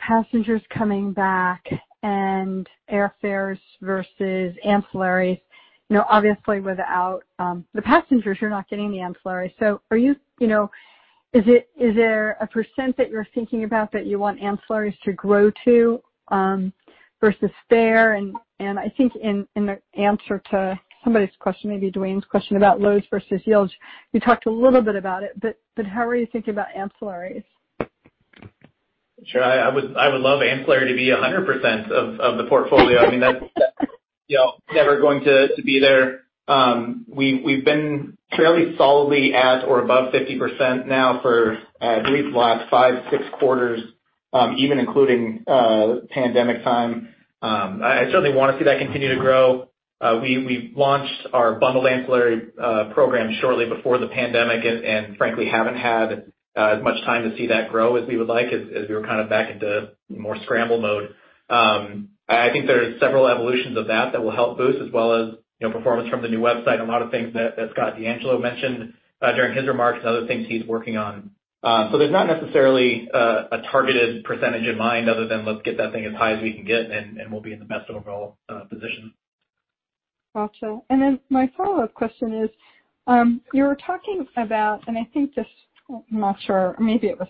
passengers coming back and airfares versus ancillaries, obviously without the passengers, you're not getting the ancillaries. Is there a percentage that you're thinking about that you want ancillaries to grow to versus fare? I think in the answer to somebody's question, maybe Duane's question about loads versus yields, you talked a little bit about it, but how are you thinking about ancillaries? Sure. I would love ancillary to be 100% of the portfolio. That's never going to be there. We've been fairly solidly at or above 50% now for at least the last five, six quarters, even including pandemic time. I certainly want to see that continue to grow. Frankly, haven't had as much time to see that grow as we would like, as we were kind of back into more scramble mode. I think there are several evolutions of that that will help boost as well as performance from the new website and a lot of things that Scott DeAngelo mentioned during his remarks and other things he's working on. There's not necessarily a targeted percentage in mind other than let's get that thing as high as we can get and we'll be in the best overall position. Gotcha. My follow-up question is, you were talking about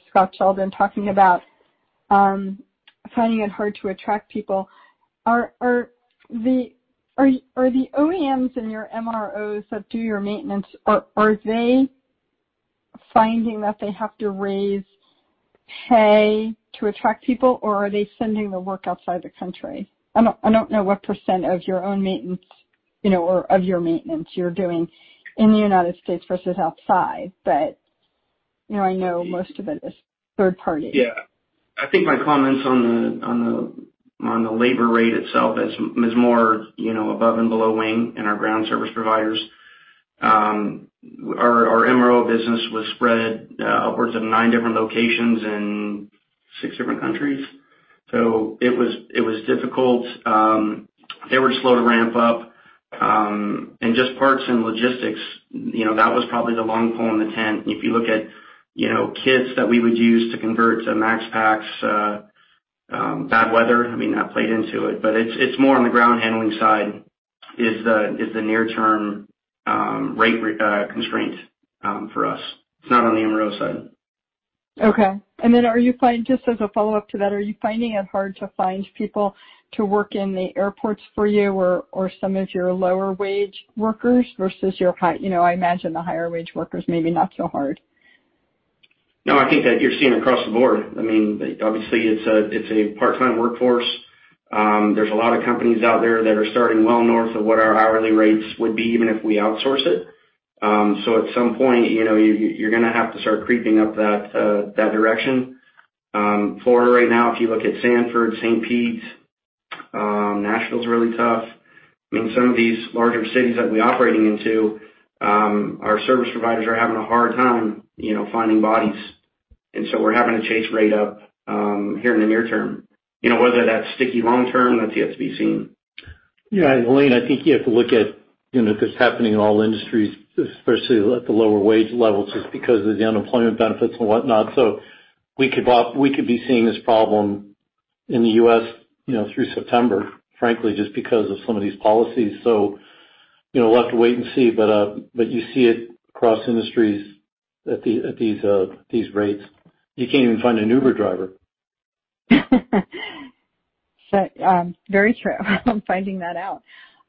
Scott Sheldon talking about finding it hard to attract people. Are the OEMs and your MROs that do your maintenance, are they finding that they have to raise pay to attract people, or are they sending the work outside the country? I don't know what percentage of your own maintenance, or of your maintenance you're doing in the U.S. versus outside, but I know most of it is third party. Yeah. I think my comments on the labor rate itself is more above and below wing in our ground service providers. Our MRO business was spread upwards of nine different locations in six different countries. It was difficult. They were slow to ramp up. Just parts and logistics, that was probably the long pole in the tent. If you look at kits that we would use to convert to max pax, bad weather, that played into it. It's more on the ground handling side is the near-term rate constraint for us. It's not on the MRO side. Okay. Just as a follow-up to that, are you finding it hard to find people to work in the airports for you or some of your lower-wage workers versus your high? I imagine the higher-wage workers, maybe not so hard. No, I think that you're seeing across the board. Obviously, it's a part-time workforce. There's a lot of companies out there that are starting well north of what our hourly rates would be, even if we outsource it. At some point, you're going to have to start creeping up that direction. Florida right now, if you look at Sanford, St. Pete's, Nashville's really tough. Some of these larger cities that we're operating into, our service providers are having a hard time finding bodies. We're having to chase rate up here in the near term. Whether that's sticky long term, that's yet to be seen. Yeah. Helane, I think you have to look at this happening in all industries, especially at the lower wage levels, just because of the unemployment benefits and whatnot. We could be seeing this problem in the U.S. through September, frankly, just because of some of these policies. We'll have to wait and see, but you see it across industries at these rates. You can't even find an Uber driver. Very true. I'm finding that out.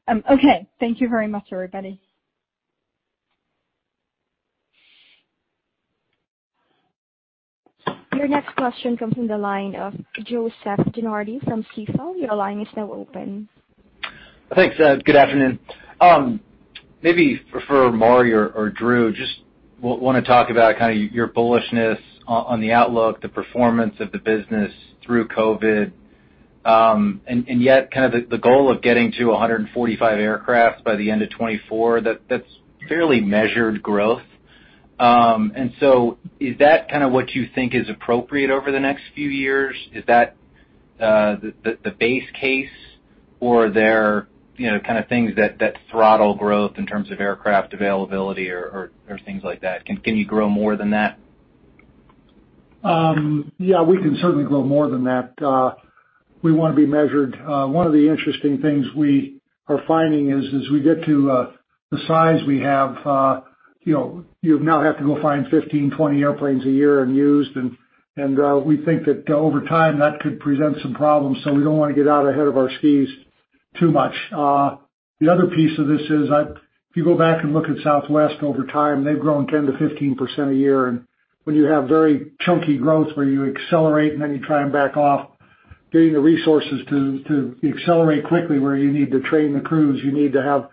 Okay. Thank you very much, everybody. Your next question comes from the line of Joseph DeNardi from Stifel. Your line is now open. Thanks. Good afternoon. Maybe for Maury or Drew, just want to talk about your bullishness on the outlook, the performance of the business through COVID. Yet, the goal of getting to 145 aircraft by the end of 2024, that's fairly measured growth. Is that what you think is appropriate over the next few years? Is that the base case or are there things that throttle growth in terms of aircraft availability or things like that? Can you grow more than that? Yeah, we can certainly grow more than that. We want to be measured. One of the interesting things we are finding is as we get to the size we have, you now have to go find 15, 20 airplanes a year in used, and we think that over time, that could present some problems. We don't want to get out ahead of our skis too much. The other piece of this is, if you go back and look at Southwest over time, they've grown 10%-15% a year. When you have very chunky growth where you accelerate and then you try and back off, getting the resources to accelerate quickly, where you need to train the crews, you need to have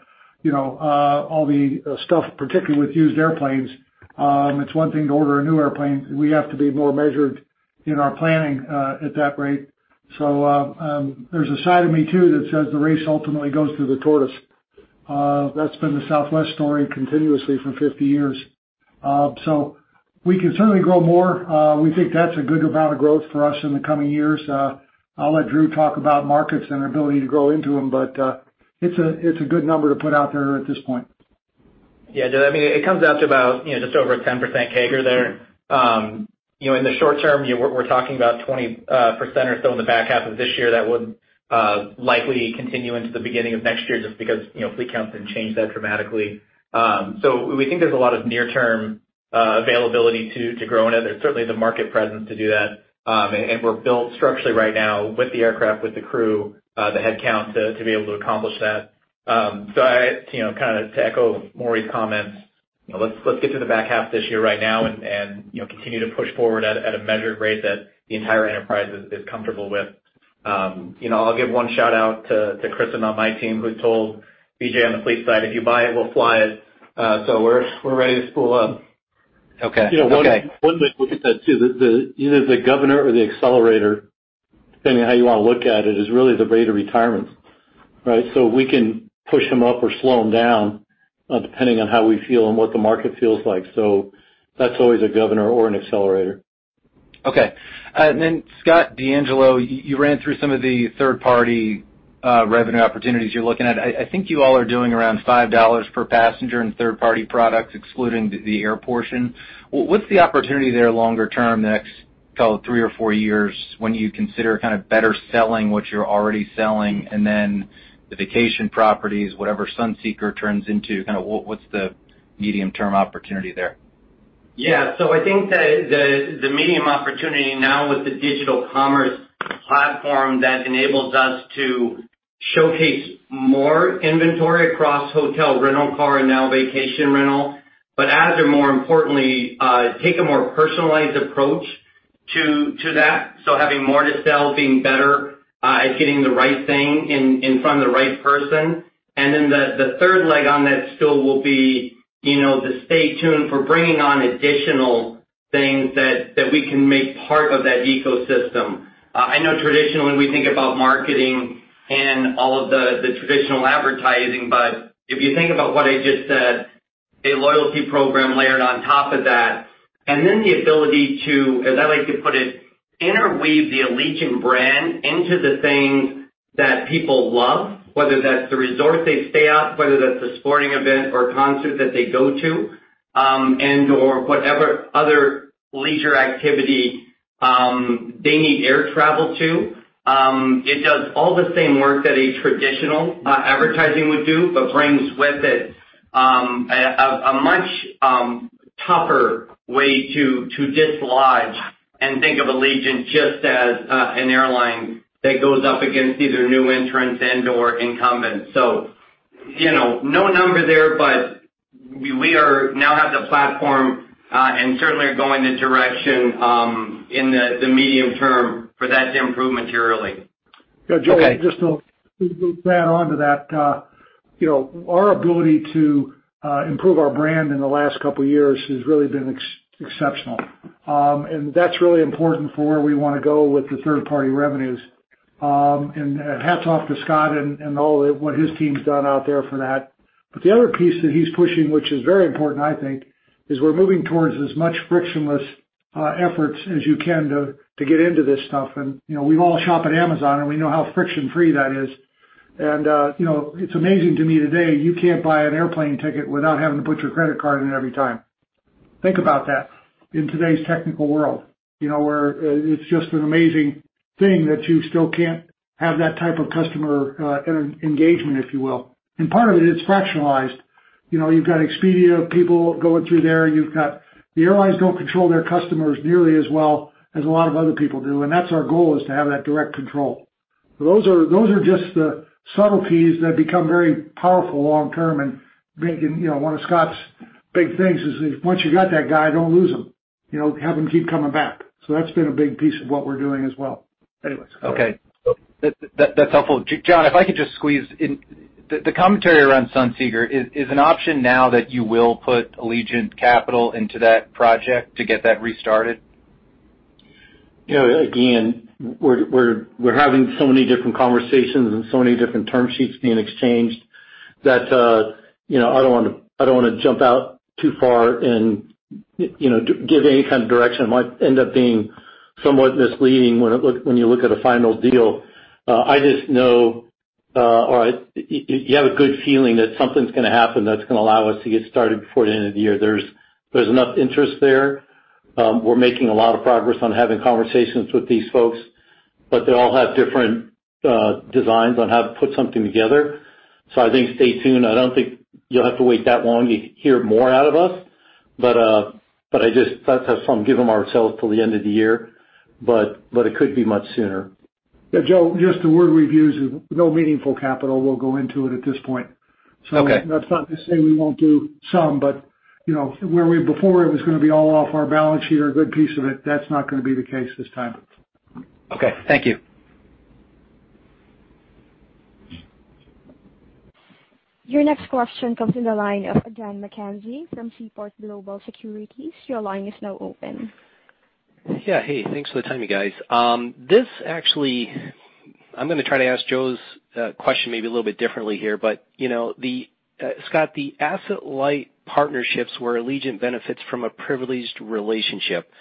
all the stuff, particularly with used airplanes. It's one thing to order a new airplane. We have to be more measured in our planning at that rate. There's a side of me, too, that says the race ultimately goes to the tortoise. That's been the Southwest story continuously for 50 years. We can certainly grow more. We think that's a good amount of growth for us in the coming years. I'll let Drew talk about markets and our ability to grow into them, but it's a good number to put out there at this point. It comes out to about just over a 10% CAGR there. In the short term, we're talking about 20% or so in the back half of this year. That would likely continue into the beginning of next year just because fleet counts didn't change that dramatically. We think there's a lot of near-term availability to grow in it. There's certainly the market presence to do that. We're built structurally right now with the aircraft, with the crew, the headcount to be able to accomplish that. To echo Maury's comments, let's get to the back half this year right now and continue to push forward at a measured rate that the entire enterprise is comfortable with. I'll give one shout-out to Kristen on my team who told BJ on the fleet side, "If you buy it, we'll fly it." We're ready to spool up. Okay. One way to look at that, too, either the governor or the accelerator, depending on how you want to look at it, is really the rate of retirements. We can push them up or slow them down depending on how we feel and what the market feels like. That's always a governor or an accelerator. Okay. Scott DeAngelo, you ran through some of the third-party revenue opportunities you're looking at. I think you all are doing around $5 per passenger in third-party products, excluding the air portion. What's the opportunity there longer term, the next, call it three or four years, when you consider better selling what you're already selling, and then the vacation properties, whatever Sunseeker turns into, what's the medium-term opportunity there? Yeah. I think the medium opportunity now with the digital commerce platform that enables us to showcase more inventory across hotel, rental car, and now vacation rental. And more importantly, take a more personalized approach to that. Having more to sell, being better at getting the right thing in front of the right person. Then the third leg on that stool will be to stay tuned for bringing on additional things that we can make part of that ecosystem. I know traditionally we think about marketing and all of the traditional advertising, but if you think about what I just said, a loyalty program layered on top of that, and then the ability to, as I like to put it, interweave the Allegiant brand into the things that people love, whether that's the resort they stay at, whether that's a sporting event or concert that they go to, and/or whatever other leisure activity they need air travel to. It does all the same work that a traditional advertising would do, but brings with it a much tougher way to dislodge and think of Allegiant just as an airline that goes up against either new entrants and/or incumbents. No number there, but we now have the platform, and certainly are going the direction, in the medium term, for that to improve materially. Yeah, Joe, just to add onto that. Our ability to improve our brand in the last couple of years has really been exceptional. That's really important for where we want to go with the third-party revenues. Hats off to Scott DeAngelo and all of what his team's done out there for that. The other piece that he's pushing, which is very important, I think, is we're moving towards as much frictionless efforts as you can to get into this stuff. We've all shopped at Amazon, and we know how friction-free that is. It's amazing to me today, you can't buy an airplane ticket without having to put your credit card in every time. Think about that in today's technical world, where it's just an amazing thing that you still can't have that type of customer engagement, if you will. Part of it's fractionalized. You've got Expedia people going through there. The airlines don't control their customers nearly as well as a lot of other people do. That's our goal is to have that direct control. Those are just the subtleties that become very powerful long term. One of Scott's big things is, once you got that guy, don't lose him. Have him keep coming back. That's been a big piece of what we're doing as well. Anyways. Okay. That's helpful. John, if I could just squeeze in. The commentary around Sunseeker, is an option now that you will put Allegiant capital into that project to get that restarted? Again, we're having so many different conversations and so many different term sheets being exchanged that I don't want to jump out too far and give any kind of direction. It might end up being somewhat misleading when you look at a final deal. I just know, or you have a good feeling that something's going to happen that's going to allow us to get started before the end of the year. There's enough interest there. We're making a lot of progress on having conversations with these folks, but they all have different designs on how to put something together. I think stay tuned. I don't think you'll have to wait that long. You'll hear more out of us. I just thought to give them ourselves till the end of the year, but it could be much sooner. Yeah, Joe, just a word we've used, no meaningful capital will go into it at this point. Okay. That's not to say we won't do some, but before it was going to be all off our balance sheet or a good piece of it. That's not going to be the case this time. Okay. Thank you. Your next question comes in the line of Dan McKenzie from Seaport Global Securities. Your line is now open. Hey, thanks for the time you guys. I'm going to try to ask Joe's question maybe a little bit differently here. Scott, the asset-light partnerships where Allegiant benefits from a privileged relationship.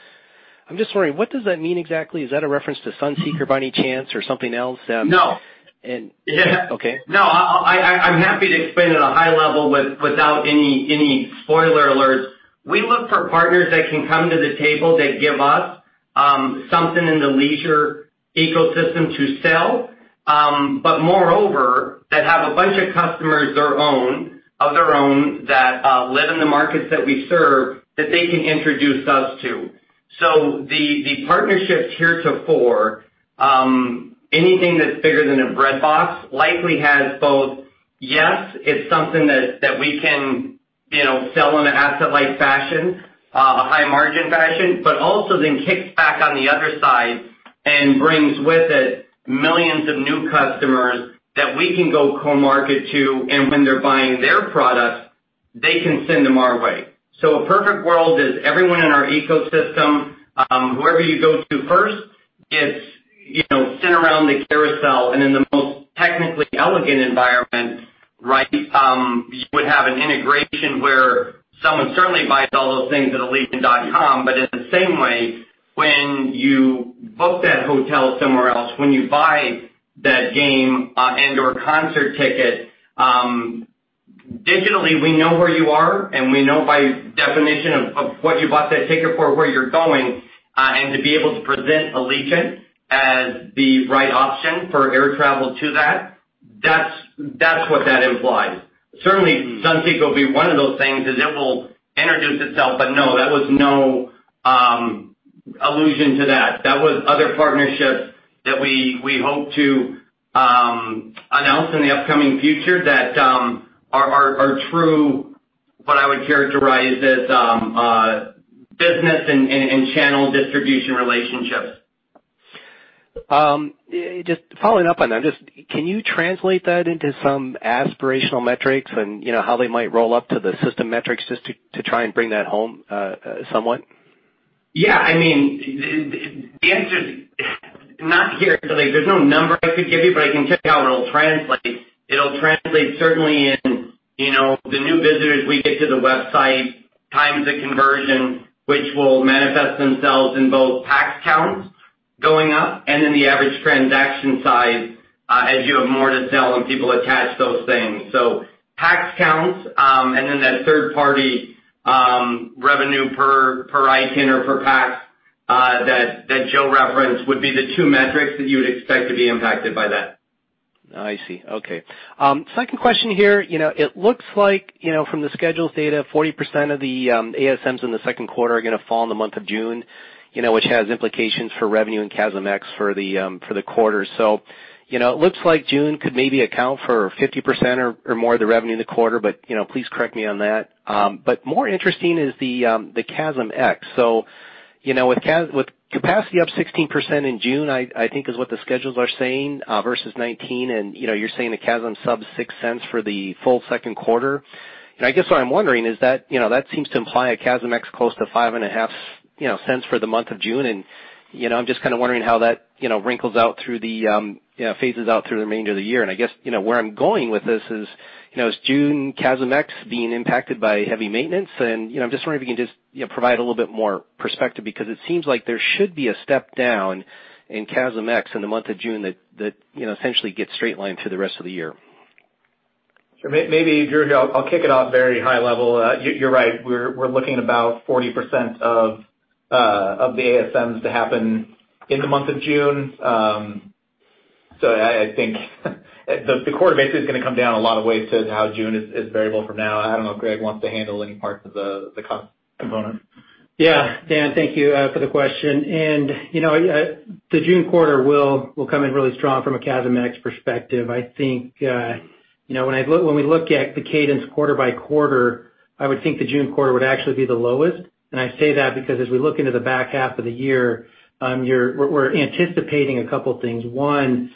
I'm just wondering, what does that mean exactly? Is that a reference to Sunseeker by any chance or something else? No. Okay. I'm happy to explain at a high level without any spoiler alerts. We look for partners that can come to the table that give us something in the leisure ecosystem to sell. Moreover, that have a bunch of customers of their own that live in the markets that we serve, that they can introduce us to. The partnerships heretofore, anything that's bigger than a breadbox likely has both, yes, it's something that we can sell in an asset-light fashion, a high margin fashion, but also then kicks back on the other side and brings with it millions of new customers that we can go co-market to. When they're buying their product, they can send them our way. A perfect world is everyone in our ecosystem, whoever you go to first, it's spin around the carousel, and in the most technically elegant environment, right? You would have an integration where someone certainly buys all those things at allegiant.com, but in the same way, when you book that hotel somewhere else, when you buy that game and/or concert ticket, digitally, we know where you are, and we know by definition of what you bought that ticket for, where you're going, and to be able to present Allegiant as the right option for air travel to that's what that implies. Certainly, Sunseeker will be one of those things as it will introduce itself. Allusion to that. That was other partnerships that we hope to announce in the upcoming future that are true, what I would characterize as business and channel distribution relationships. Just following up on that, just can you translate that into some aspirational metrics and how they might roll up to the system metrics just to try and bring that home somewhat? Yeah. The answer is not here. There's no number I could give you, but I can kick out what it'll translate. It'll translate certainly in the new visitors we get to the website, times the conversion, which will manifest themselves in both pax counts going up and in the average transaction size as you have more to sell and people attach those things. pax counts, and then that third-party revenue per item or per pax that Joe referenced would be the two metrics that you would expect to be impacted by that. I see. Okay. Second question here. It looks like from the schedules data, 40% of the ASMs in the second quarter are going to fall in the month of June, which has implications for revenue and CASM-ex for the quarter. It looks like June could maybe account for 50% or more of the revenue in the quarter, but please correct me on that. More interesting is the CASM-ex. With capacity up 16% in June, I think is what the schedules are saying, versus 19, and you're saying the CASM sub $0.06 for the full second quarter. I guess what I'm wondering is that seems to imply a CASM-ex close to $0.055 for the month of June, and I'm just kind of wondering how that phases out through the remainder of the year. I guess, where I'm going with this is June CASM-ex being impacted by heavy maintenance? I'm just wondering if you can just provide a little bit more perspective, because it seems like there should be a step down in CASM-ex in the month of June that essentially gets straight lined through the rest of the year. Sure. Maybe, Dan, I'll kick it off very high level. You're right, we're looking at about 40% of the ASMs to happen in the month of June. I think the quarter basically is going to come down a lot of ways to how June is variable from now. I don't know if Greg wants to handle any parts of the cost component. Yeah. Dan, thank you for the question. The June quarter will come in really strong from a CASM-ex perspective. I think when we look at the cadence quarter by quarter, I would think the June quarter would actually be the lowest. I say that because as we look into the back half of the year, we're anticipating a couple things. One,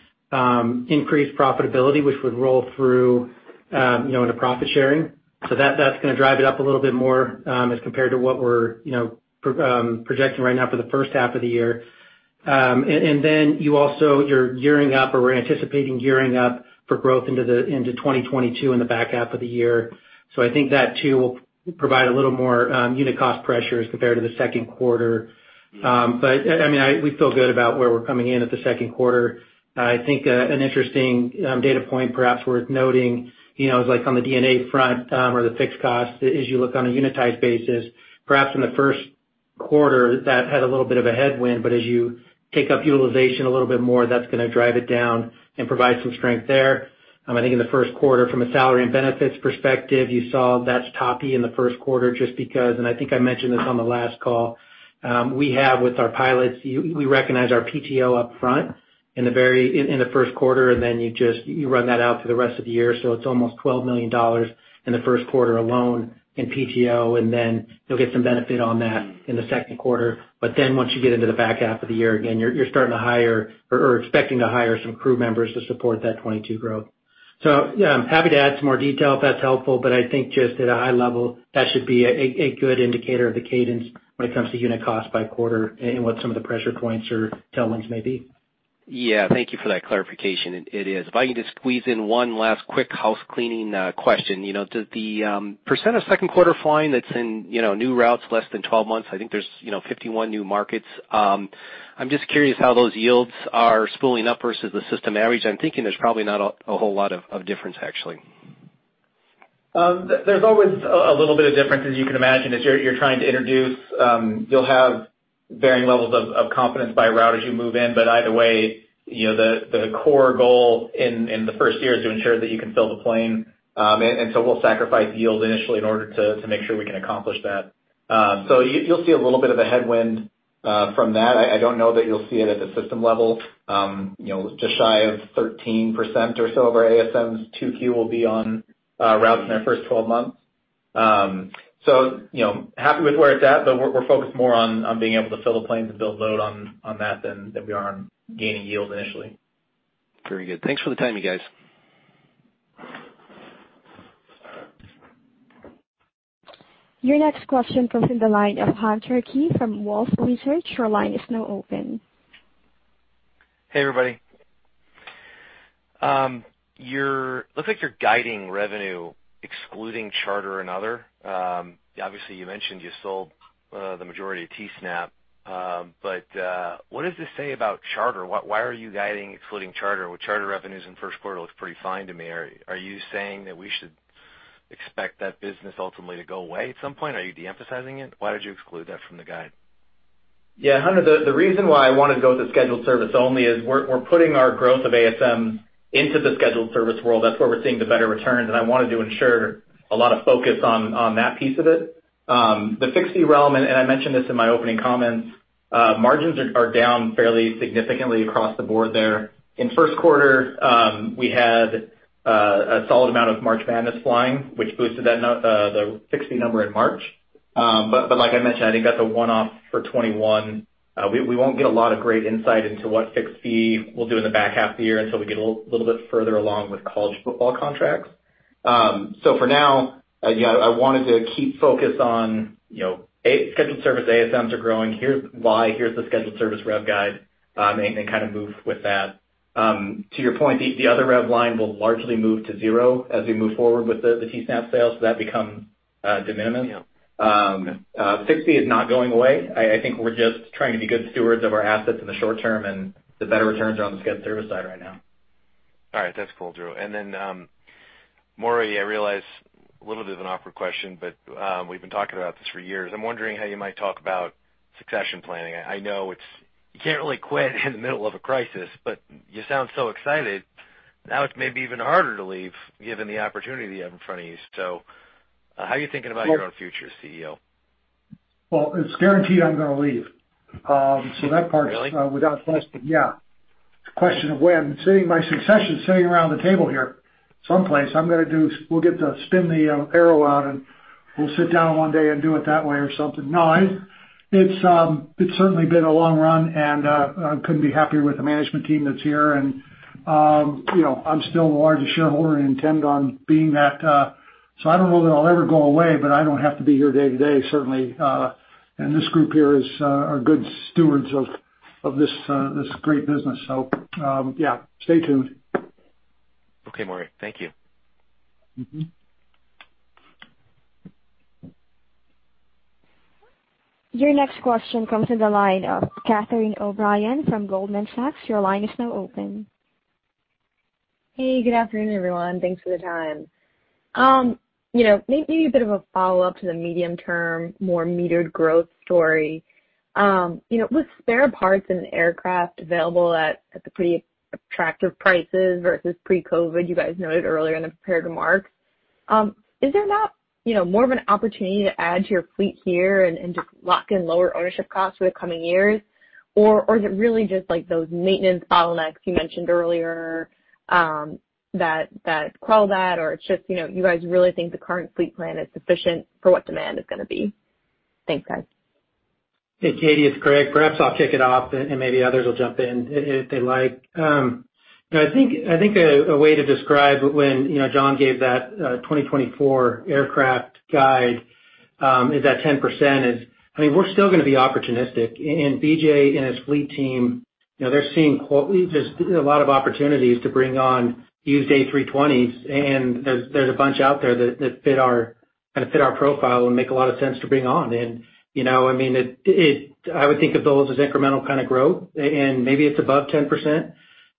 increased profitability, which would roll through into profit-sharing. That's going to drive it up a little bit more, as compared to what we're projecting right now for the first half of the year. You also, you're gearing up or we're anticipating gearing up for growth into 2022 in the back half of the year. I think that too will provide a little more unit cost pressure as compared to the second quarter. We feel good about where we're coming in at the second quarter. I think an interesting data point perhaps worth noting, is on the D&A front or the fixed cost is you look on a unitized basis, perhaps in the first quarter that had a little bit of a headwind, but as you take up utilization a little bit more, that's going to drive it down and provide some strength there. I think in the first quarter from a salary and benefits perspective, you saw that's toppy in the first quarter just because, and I think I mentioned this on the last call, we have with our pilots, we recognize our PTO upfront in the first quarter, and then you run that out for the rest of the year. It's almost $12 million in the first quarter alone in PTO, and then you'll get some benefit on that in the second quarter. Once you get into the back half of the year, again, you're starting to hire or expecting to hire some crew members to support that 2022 growth. Yeah. I'm happy to add some more detail if that's helpful, but I think just at a high level, that should be a good indicator of the cadence when it comes to unit cost by quarter and what some of the pressure points or tailwinds may be. Yeah. Thank you for that clarification. It is. If I can just squeeze in one last quick housecleaning question. Does the percentage of second quarter flying that's in new routes less than 12 months, I think there's 51 new markets, I'm just curious how those yields are spooling up versus the system average? I'm thinking there's probably not a whole lot of difference, actually. There's always a little bit of difference, as you can imagine, as you're trying to introduce. You'll have varying levels of confidence by route as you move in. Either way, the core goal in the first year is to ensure that you can fill the plane. We'll sacrifice yield initially in order to make sure we can accomplish that. You'll see a little bit of a headwind from that. I don't know that you'll see it at the system level. Just shy of 13% or so of our ASMs 2Q will be on routes in their first 12 months. Happy with where it's at, but we're focused more on being able to fill the planes and build load on that than we are on gaining yield initially. Very good. Thanks for the timing, guys. Your next question comes from the line of Hunter Keay from Wolfe Research. Your line is now open. Hey, everybody. Looks like you're guiding revenue excluding charter and other. Obviously, you mentioned you sold the majority of Teesnap. What does this say about charter? Why are you guiding excluding charter? Well, charter revenues in first quarter looks pretty fine to me. Are you saying that we should expect that business ultimately to go away at some point? Are you de-emphasizing it? Why did you exclude that from the guide? Yeah, Hunter, the reason why I wanted to go to scheduled service only is we're putting our growth of ASM into the scheduled service world. That's where we're seeing the better returns, and I wanted to ensure a lot of focus on that piece of it. The fixed fee realm, and I mentioned this in my opening comments. Margins are down fairly significantly across the board there. In first quarter, we had a solid amount of March Madness flying, which boosted the fixed fee number in March. Like I mentioned, I think that's a one-off for 2021. We won't get a lot of great insight into what fixed fee will do in the back half of the year until we get a little bit further along with college football contracts. For now, I wanted to keep focus on scheduled service ASMs are growing. Here's why. Here's the scheduled service rev guide, and then kind of move with that. To your point, the other rev line will largely move to zero as we move forward with the Teesnap sale, so that becomes de minimis. 50 is not going away. I think we're just trying to be good stewards of our assets in the short term, the better returns are on the scheduled service side right now. All right. That's cool, Drew. Maury, I realize a little bit of an awkward question, we've been talking about this for years. I'm wondering how you might talk about succession planning. I know you can't really quit in the middle of a crisis, you sound so excited. Now it's maybe even harder to leave, given the opportunity you have in front of you. How are you thinking about your own future as CEO? Well, it's guaranteed I'm going to leave. Really? Without question. Yeah. It's a question of when. My succession's sitting around the table here someplace. We'll get to spin the arrow out, and we'll sit down one day and do it that way or something. No. It's certainly been a long run, and I couldn't be happier with the management team that's here. I'm still the largest shareholder and intend on being that. I don't know that I'll ever go away, but I don't have to be here day-to-day, certainly. This group here are good stewards of this great business. Yeah, stay tuned. Okay, Maury. Thank you. Your next question comes from the line of Catherine O'Brien from Goldman Sachs. Your line is now open. Hey, good afternoon, everyone. Thanks for the time. Maybe a bit of a follow-up to the medium term, more metered growth story. With spare parts and aircraft available at the pretty attractive prices versus pre-COVID, you guys noted earlier in the prepared remarks. Is there not more of an opportunity to add to your fleet here and just lock in lower ownership costs for the coming years? Or is it really just those maintenance bottlenecks you mentioned earlier that quell that, or it's just you guys really think the current fleet plan is sufficient for what demand is going to be? Thanks, guys. Hey, Catie, it's Greg. Perhaps I'll kick it off, and maybe others will jump in if they like. I think a way to describe when John gave that 2024 aircraft guide, is that 10% is, we're still going to be opportunistic. BJ and his fleet team, they're seeing just a lot of opportunities to bring on used A320s, and there's a bunch out there that fit our profile and make a lot of sense to bring on. I would think of those as incremental kind of growth, and maybe it's above 10%,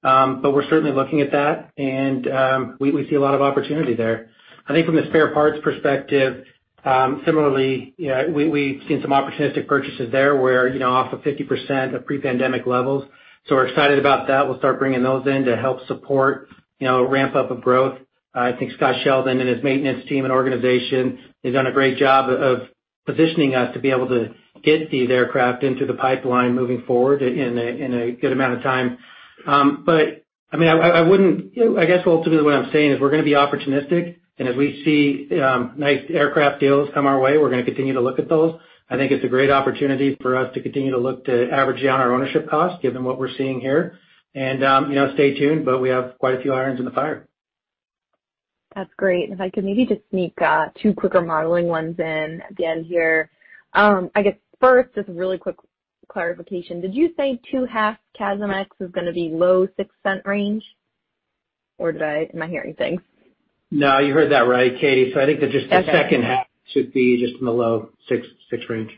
but we're certainly looking at that, and we see a lot of opportunity there. I think from the spare parts perspective, similarly, we've seen some opportunistic purchases there, where off of 50% of pre-pandemic levels. We're excited about that. We'll start bringing those in to help support ramp-up of growth. I think Scott Sheldon and his maintenance team and organization has done a great job of positioning us to be able to get these aircraft into the pipeline moving forward in a good amount of time. I guess ultimately what I'm saying is we're going to be opportunistic, and as we see nice aircraft deals come our way, we're going to continue to look at those. I think it's a great opportunity for us to continue to look to average down our ownership cost, given what we're seeing here. Stay tuned, but we have quite a few irons in the fire. That's great. If I could maybe just sneak two quicker modeling ones in again here. I guess first, just a really quick clarification. Did you say two half CASM-ex is going to be low $0.06 range? Or am I hearing things? No, you heard that right, Catie. Okay the second half should be just in the low $0.06 range.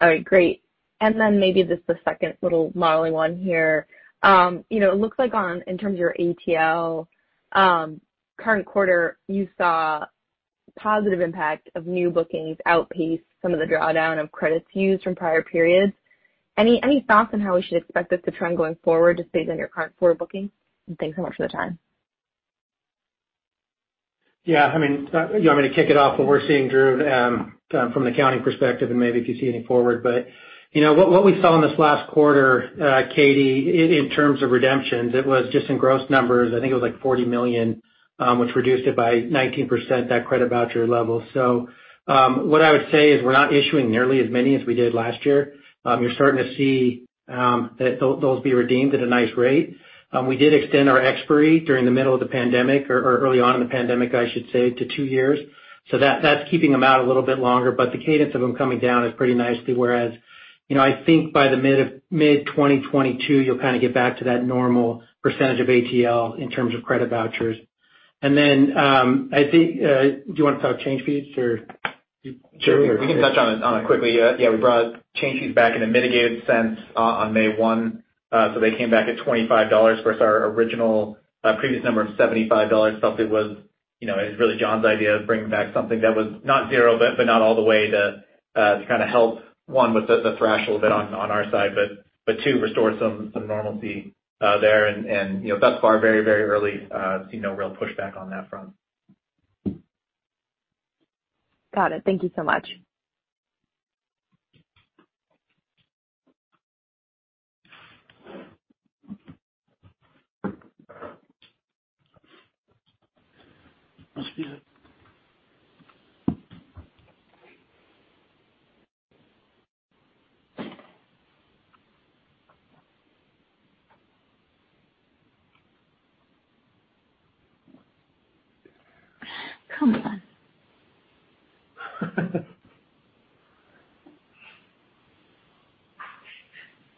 All right, great. Then maybe just a second little modeling one here. It looks like in terms of your ATL current quarter, you saw positive impact of new bookings outpace some of the drawdown of credits used from prior periods. Any thoughts on how we should expect this to trend going forward just based on your current forward bookings? Thanks so much for the time. You want me to kick it off what we're seeing, Drew, from the accounting perspective, and maybe if you see any forward, but what we saw in this last quarter, Catie, in terms of redemptions, it was just in gross numbers, I think it was like $40 million, which reduced it by 19%, that credit voucher level. What I would say is we're not issuing nearly as many as we did last year. You're starting to see those be redeemed at a nice rate. We did extend our expiry during the middle of the pandemic, or early on in the pandemic, I should say, to 2 years. That's keeping them out a little bit longer. The cadence of them coming down is pretty nicely, whereas, I think by the mid-2022, you'll get back to that normal percentage of ATL in terms of credit vouchers. Do you want to talk change fees or? Sure. We can touch on it quickly. Yeah, we brought change fees back in a mitigated sense on May 1. They came back at $25 versus our original previous number of $75. It was really John's idea of bringing back something that was not zero, but not all the way to help, one, with the threshold on our side, but two, restore some normalcy there, and thus far, very early, see no real pushback on that front. Got it. Thank you so much. Come on.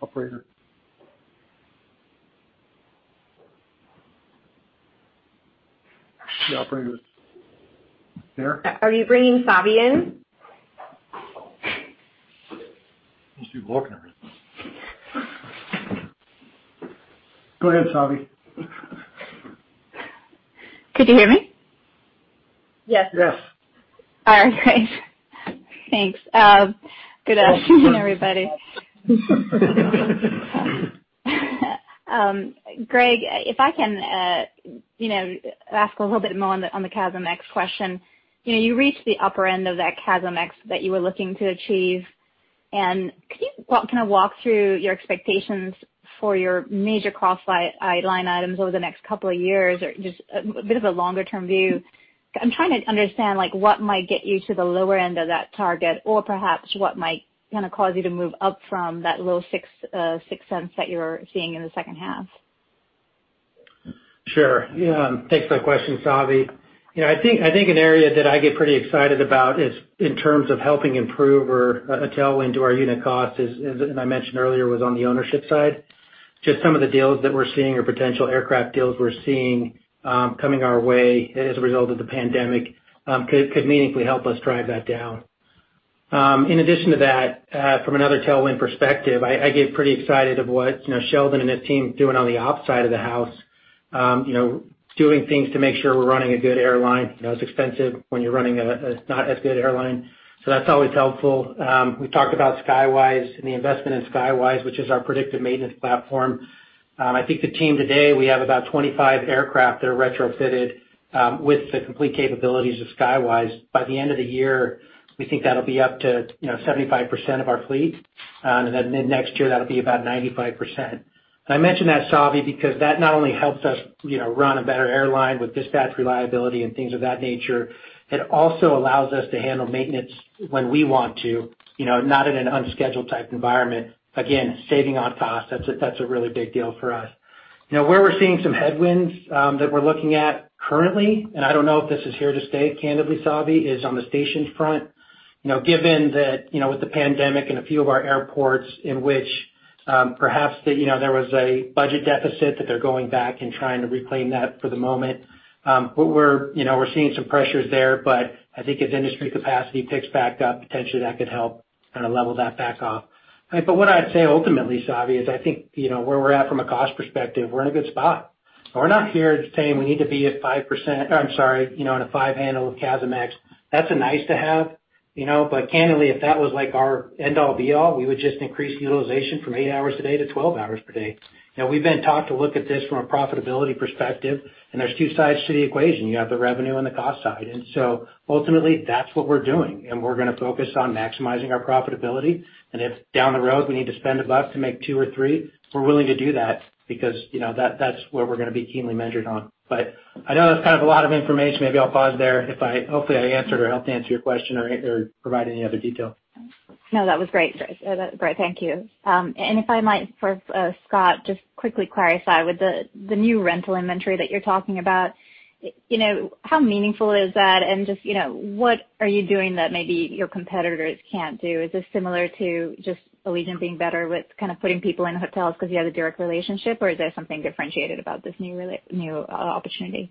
Operator. The operator is there? Are you bringing Savi in? (audio distortion) Go ahead, Savi. Could you hear me? Yes. Yes. All right, great. Thanks. Good afternoon, everybody. Greg, if I can ask a little bit more on the CASM-ex question. You reached the upper end of that CASM-ex that you were looking to achieve. Could you walk through your expectations for your major cross line items over the next couple of years or just a bit of a longer-term view? I'm trying to understand what might get you to the lower end of that target or perhaps what might cause you to move up from that low $0.06 that you're seeing in the second half. Sure. Yeah. Thanks for the question, Savi. I think an area that I get pretty excited about is in terms of helping improve or a tailwind to our unit cost is, as I mentioned earlier, was on the ownership side. Some of the deals that we're seeing or potential aircraft deals we're seeing coming our way as a result of the pandemic could meaningfully help us drive that down. In addition to that, from another tailwind perspective, I get pretty excited of what Sheldon and his team are doing on the ops side of the house. Doing things to make sure we're running a good airline. It's expensive when you're running a not as good airline, so that's always helpful. We've talked about Skywise and the investment in Skywise, which is our predictive maintenance platform. I think the team today, we have about 25 aircraft that are retrofitted with the complete capabilities of Skywise. By the end of the year, we think that'll be up to 75% of our fleet. Then mid-next year, that'll be about 95%. I mention that, Savi, because that not only helps us run a better airline with dispatch reliability and things of that nature, it also allows us to handle maintenance when we want to, not in an unscheduled type environment. Again, saving on cost, that's a really big deal for us. Where we're seeing some headwinds that we're looking at currently, I don't know if this is here to stay, candidly, Savi, is on the stations front. Given that with the pandemic and a few of our airports in which perhaps there was a budget deficit that they're going back and trying to reclaim that for the moment. We're seeing some pressures there, I think as industry capacity picks back up, potentially that could help kind of level that back off. What I'd say ultimately, Savi, is I think, where we're at from a cost perspective, we're in a good spot. We're not here saying we need to be at 5%, or I'm sorry, in a five handle of CASM-ex. That's a nice to have. Candidly, if that was our end all be all, we would just increase utilization from eight hours a day to 12 hours per day. We've been taught to look at this from a profitability perspective, and there's two sides to the equation. You have the revenue and the cost side. Ultimately, that's what we're doing, and we're going to focus on maximizing our profitability. If down the road we need to spend a buck to make two or three, we're willing to do that because that's where we're going to be keenly measured on. I know that's kind of a lot of information. Maybe I'll pause there. Hopefully I answered or helped answer your question or provided any other detail. No, that was great. Thank you. If I might, for Scott, just quickly clarify with the new rental inventory that you're talking about, how meaningful is that? Just what are you doing that maybe your competitors can't do? Is this similar to just Allegiant being better with kind of putting people in hotels because you have a direct relationship, or is there something differentiated about this new opportunity?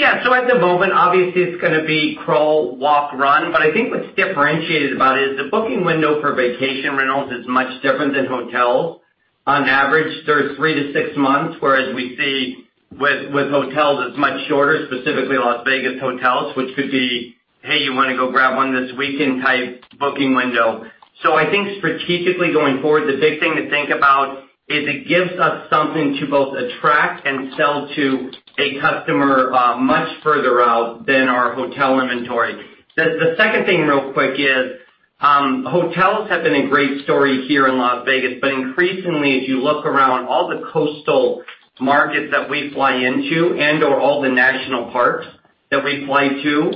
At the moment, obviously it's going to be crawl, walk, run, I think what's differentiated about it is the booking window for vacation rentals is much different than hotels. On average, they're three to six months, whereas we see with hotels, it's much shorter, specifically Las Vegas hotels, which could be, "Hey, you want to go grab one this weekend?" type booking window. I think strategically going forward, the big thing to think about is it gives us something to both attract and sell to a customer much further out than our hotel inventory. The second thing real quick is, hotels have been a great story here in Las Vegas, increasingly, if you look around all the coastal markets that we fly into and/or all the national parks that we fly to,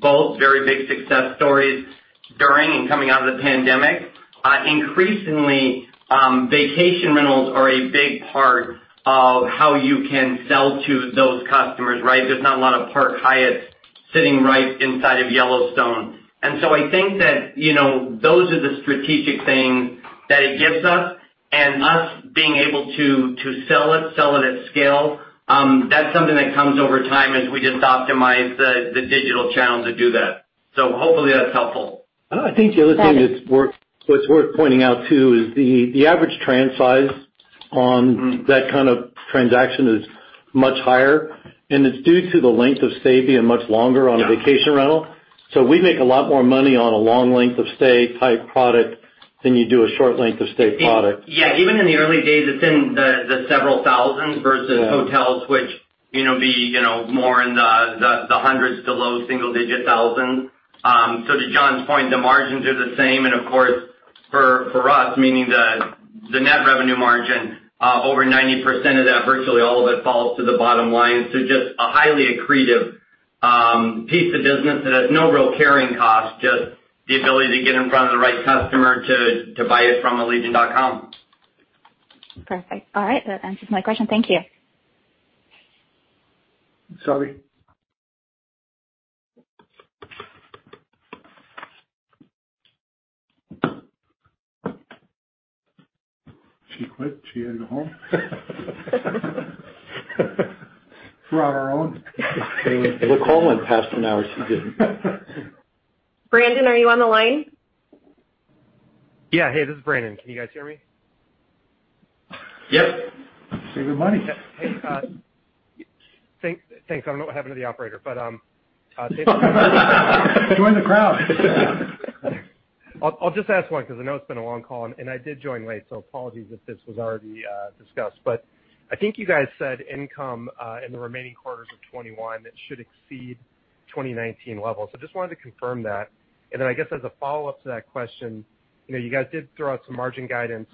both very big success stories during and coming out of the pandemic. Increasingly, vacation rentals are a big part of how you can sell to those customers, right? There's not a lot of Park Hyatts sitting right inside of Yellowstone. I think that those are the strategic things that it gives us, and us being able to sell it, sell it at scale, that's something that comes over time as we just optimize the digital channel to do that. Hopefully that's helpful. I think the other thing that's worth pointing out too is the average tran size on that kind of transaction is much higher, and it's due to the length of stay being much longer on a vacation rental. We make a lot more money on a long length of stay type product. You do a short length of stay product. Yeah. Even in the early days, it's in the several thousands. Versus hotels, which would be more in the hundreds to low single digit thousands. To John's point, the margins are the same and of course, for us, meaning the net revenue margin, over 90% of that, virtually all of it, falls to the bottom line. Just a highly accretive piece of business that has no real carrying cost, just the ability to get in front of the right customer to buy it from allegiant.com. Perfect. All right. That answers my question. Thank you. Sherry? She quit. She had to go home. We're on our own. The call went past an hour. She's good. Brandon, are you on the line? Yeah. Hey, this is Brandon. Can you guys hear me? Yep. Save me money. Thanks. I don't know what happened to the operator, but- Join the crowd. I'll just ask one because I know it's been a long call, and I did join late, so apologies if this was already discussed. I think you guys said income in the remaining quarters of 2021, it should exceed 2019 levels. I just wanted to confirm that. I guess as a follow-up to that question, you guys did throw out some margin guidance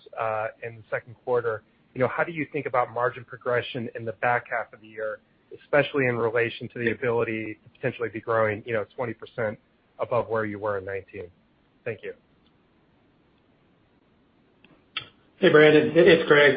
in the second quarter. How do you think about margin progression in the back half of the year, especially in relation to the ability to potentially be growing 20% above where you were in 2019? Thank you. Hey, Brandon. It's Greg.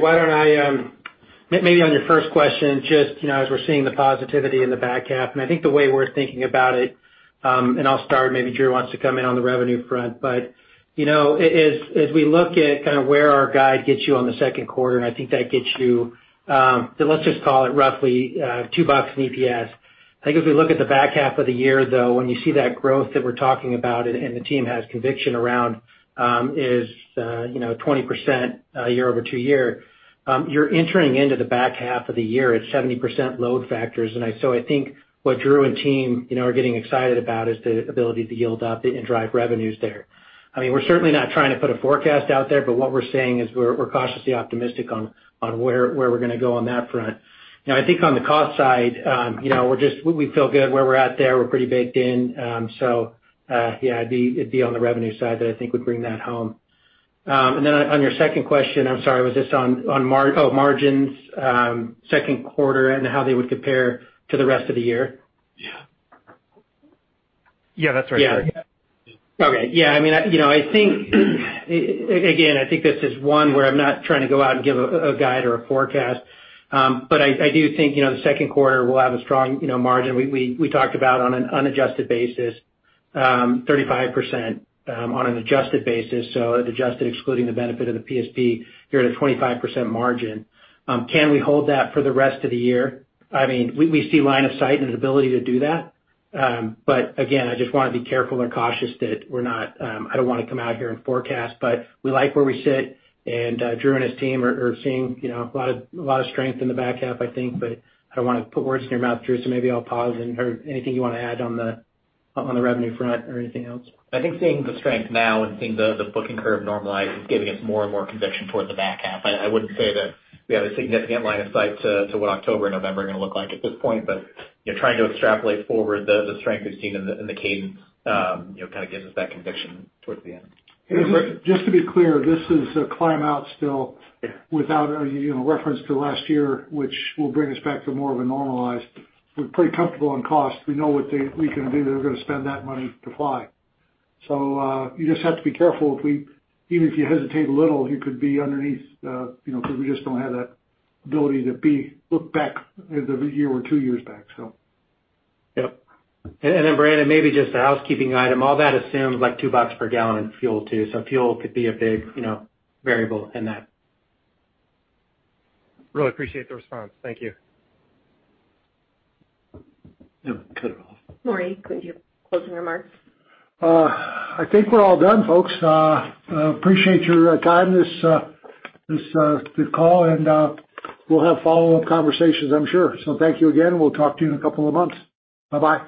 Maybe on your first question, just as we're seeing the positivity in the back half, I think the way we're thinking about it, I'll start, maybe Drew wants to come in on the revenue front. As we look at where our guide gets you on the second quarter, I think that gets you, let's just call it roughly $2 in EPS. I think if we look at the back half of the year, though, when you see that growth that we're talking about and the team has conviction around is 20% year-over-two-year. You're entering into the back half of the year at 70% load factors. I think what Drew and team are getting excited about is the ability to yield up and drive revenues there. We're certainly not trying to put a forecast out there, but what we're saying is we're cautiously optimistic on where we're going to go on that front. I think on the cost side, we feel good where we're at there. We're pretty baked in. Yeah, it'd be on the revenue side that I think would bring that home. On your second question, I'm sorry, was this on margins second quarter and how they would compare to the rest of the year? Yeah. That's right, Greg. Okay. Yeah, again, I think this is one where I'm not trying to go out and give a guide or a forecast. I do think the second quarter will have a strong margin. We talked about on an unadjusted basis 35% on an adjusted basis. Adjusted excluding the benefit of the PSP, you're at a 25% margin. Can we hold that for the rest of the year? We see line of sight and an ability to do that. Again, I just want to be careful and cautious that I don't want to come out here and forecast, but we like where we sit, and Drew and his team are seeing a lot of strength in the back half, I think. I don't want to put words in your mouth, Drew, so maybe I'll pause. Anything you want to add on the revenue front or anything else? I think seeing the strength now and seeing the booking curve normalize is giving us more and more conviction towards the back half. I wouldn't say that we have a significant line of sight to what October and November are going to look like at this point. Trying to extrapolate forward the strength we've seen in the cadence gives us that conviction towards the end. Just to be clear, this is a climb-out still? Without a reference to last year, which will bring us back to more of a normalized. We're pretty comfortable on cost. We know what we can do. They're going to spend that money to fly. You just have to be careful. Even if you hesitate a little, you could be underneath because we just don't have that ability to look back at a year or two years back. Yep. Brandon, maybe just a housekeeping item. All that assumes like $2 per gallon in fuel too. Fuel could be a big variable in that. Really appreciate the response. Thank you. Yeah. Cut it off. Maury, could you closing remarks? I think we're all done, folks. Appreciate your time, this call, and we'll have follow-up conversations, I'm sure. Thank you again, and we'll talk to you in a couple of months. Bye-bye.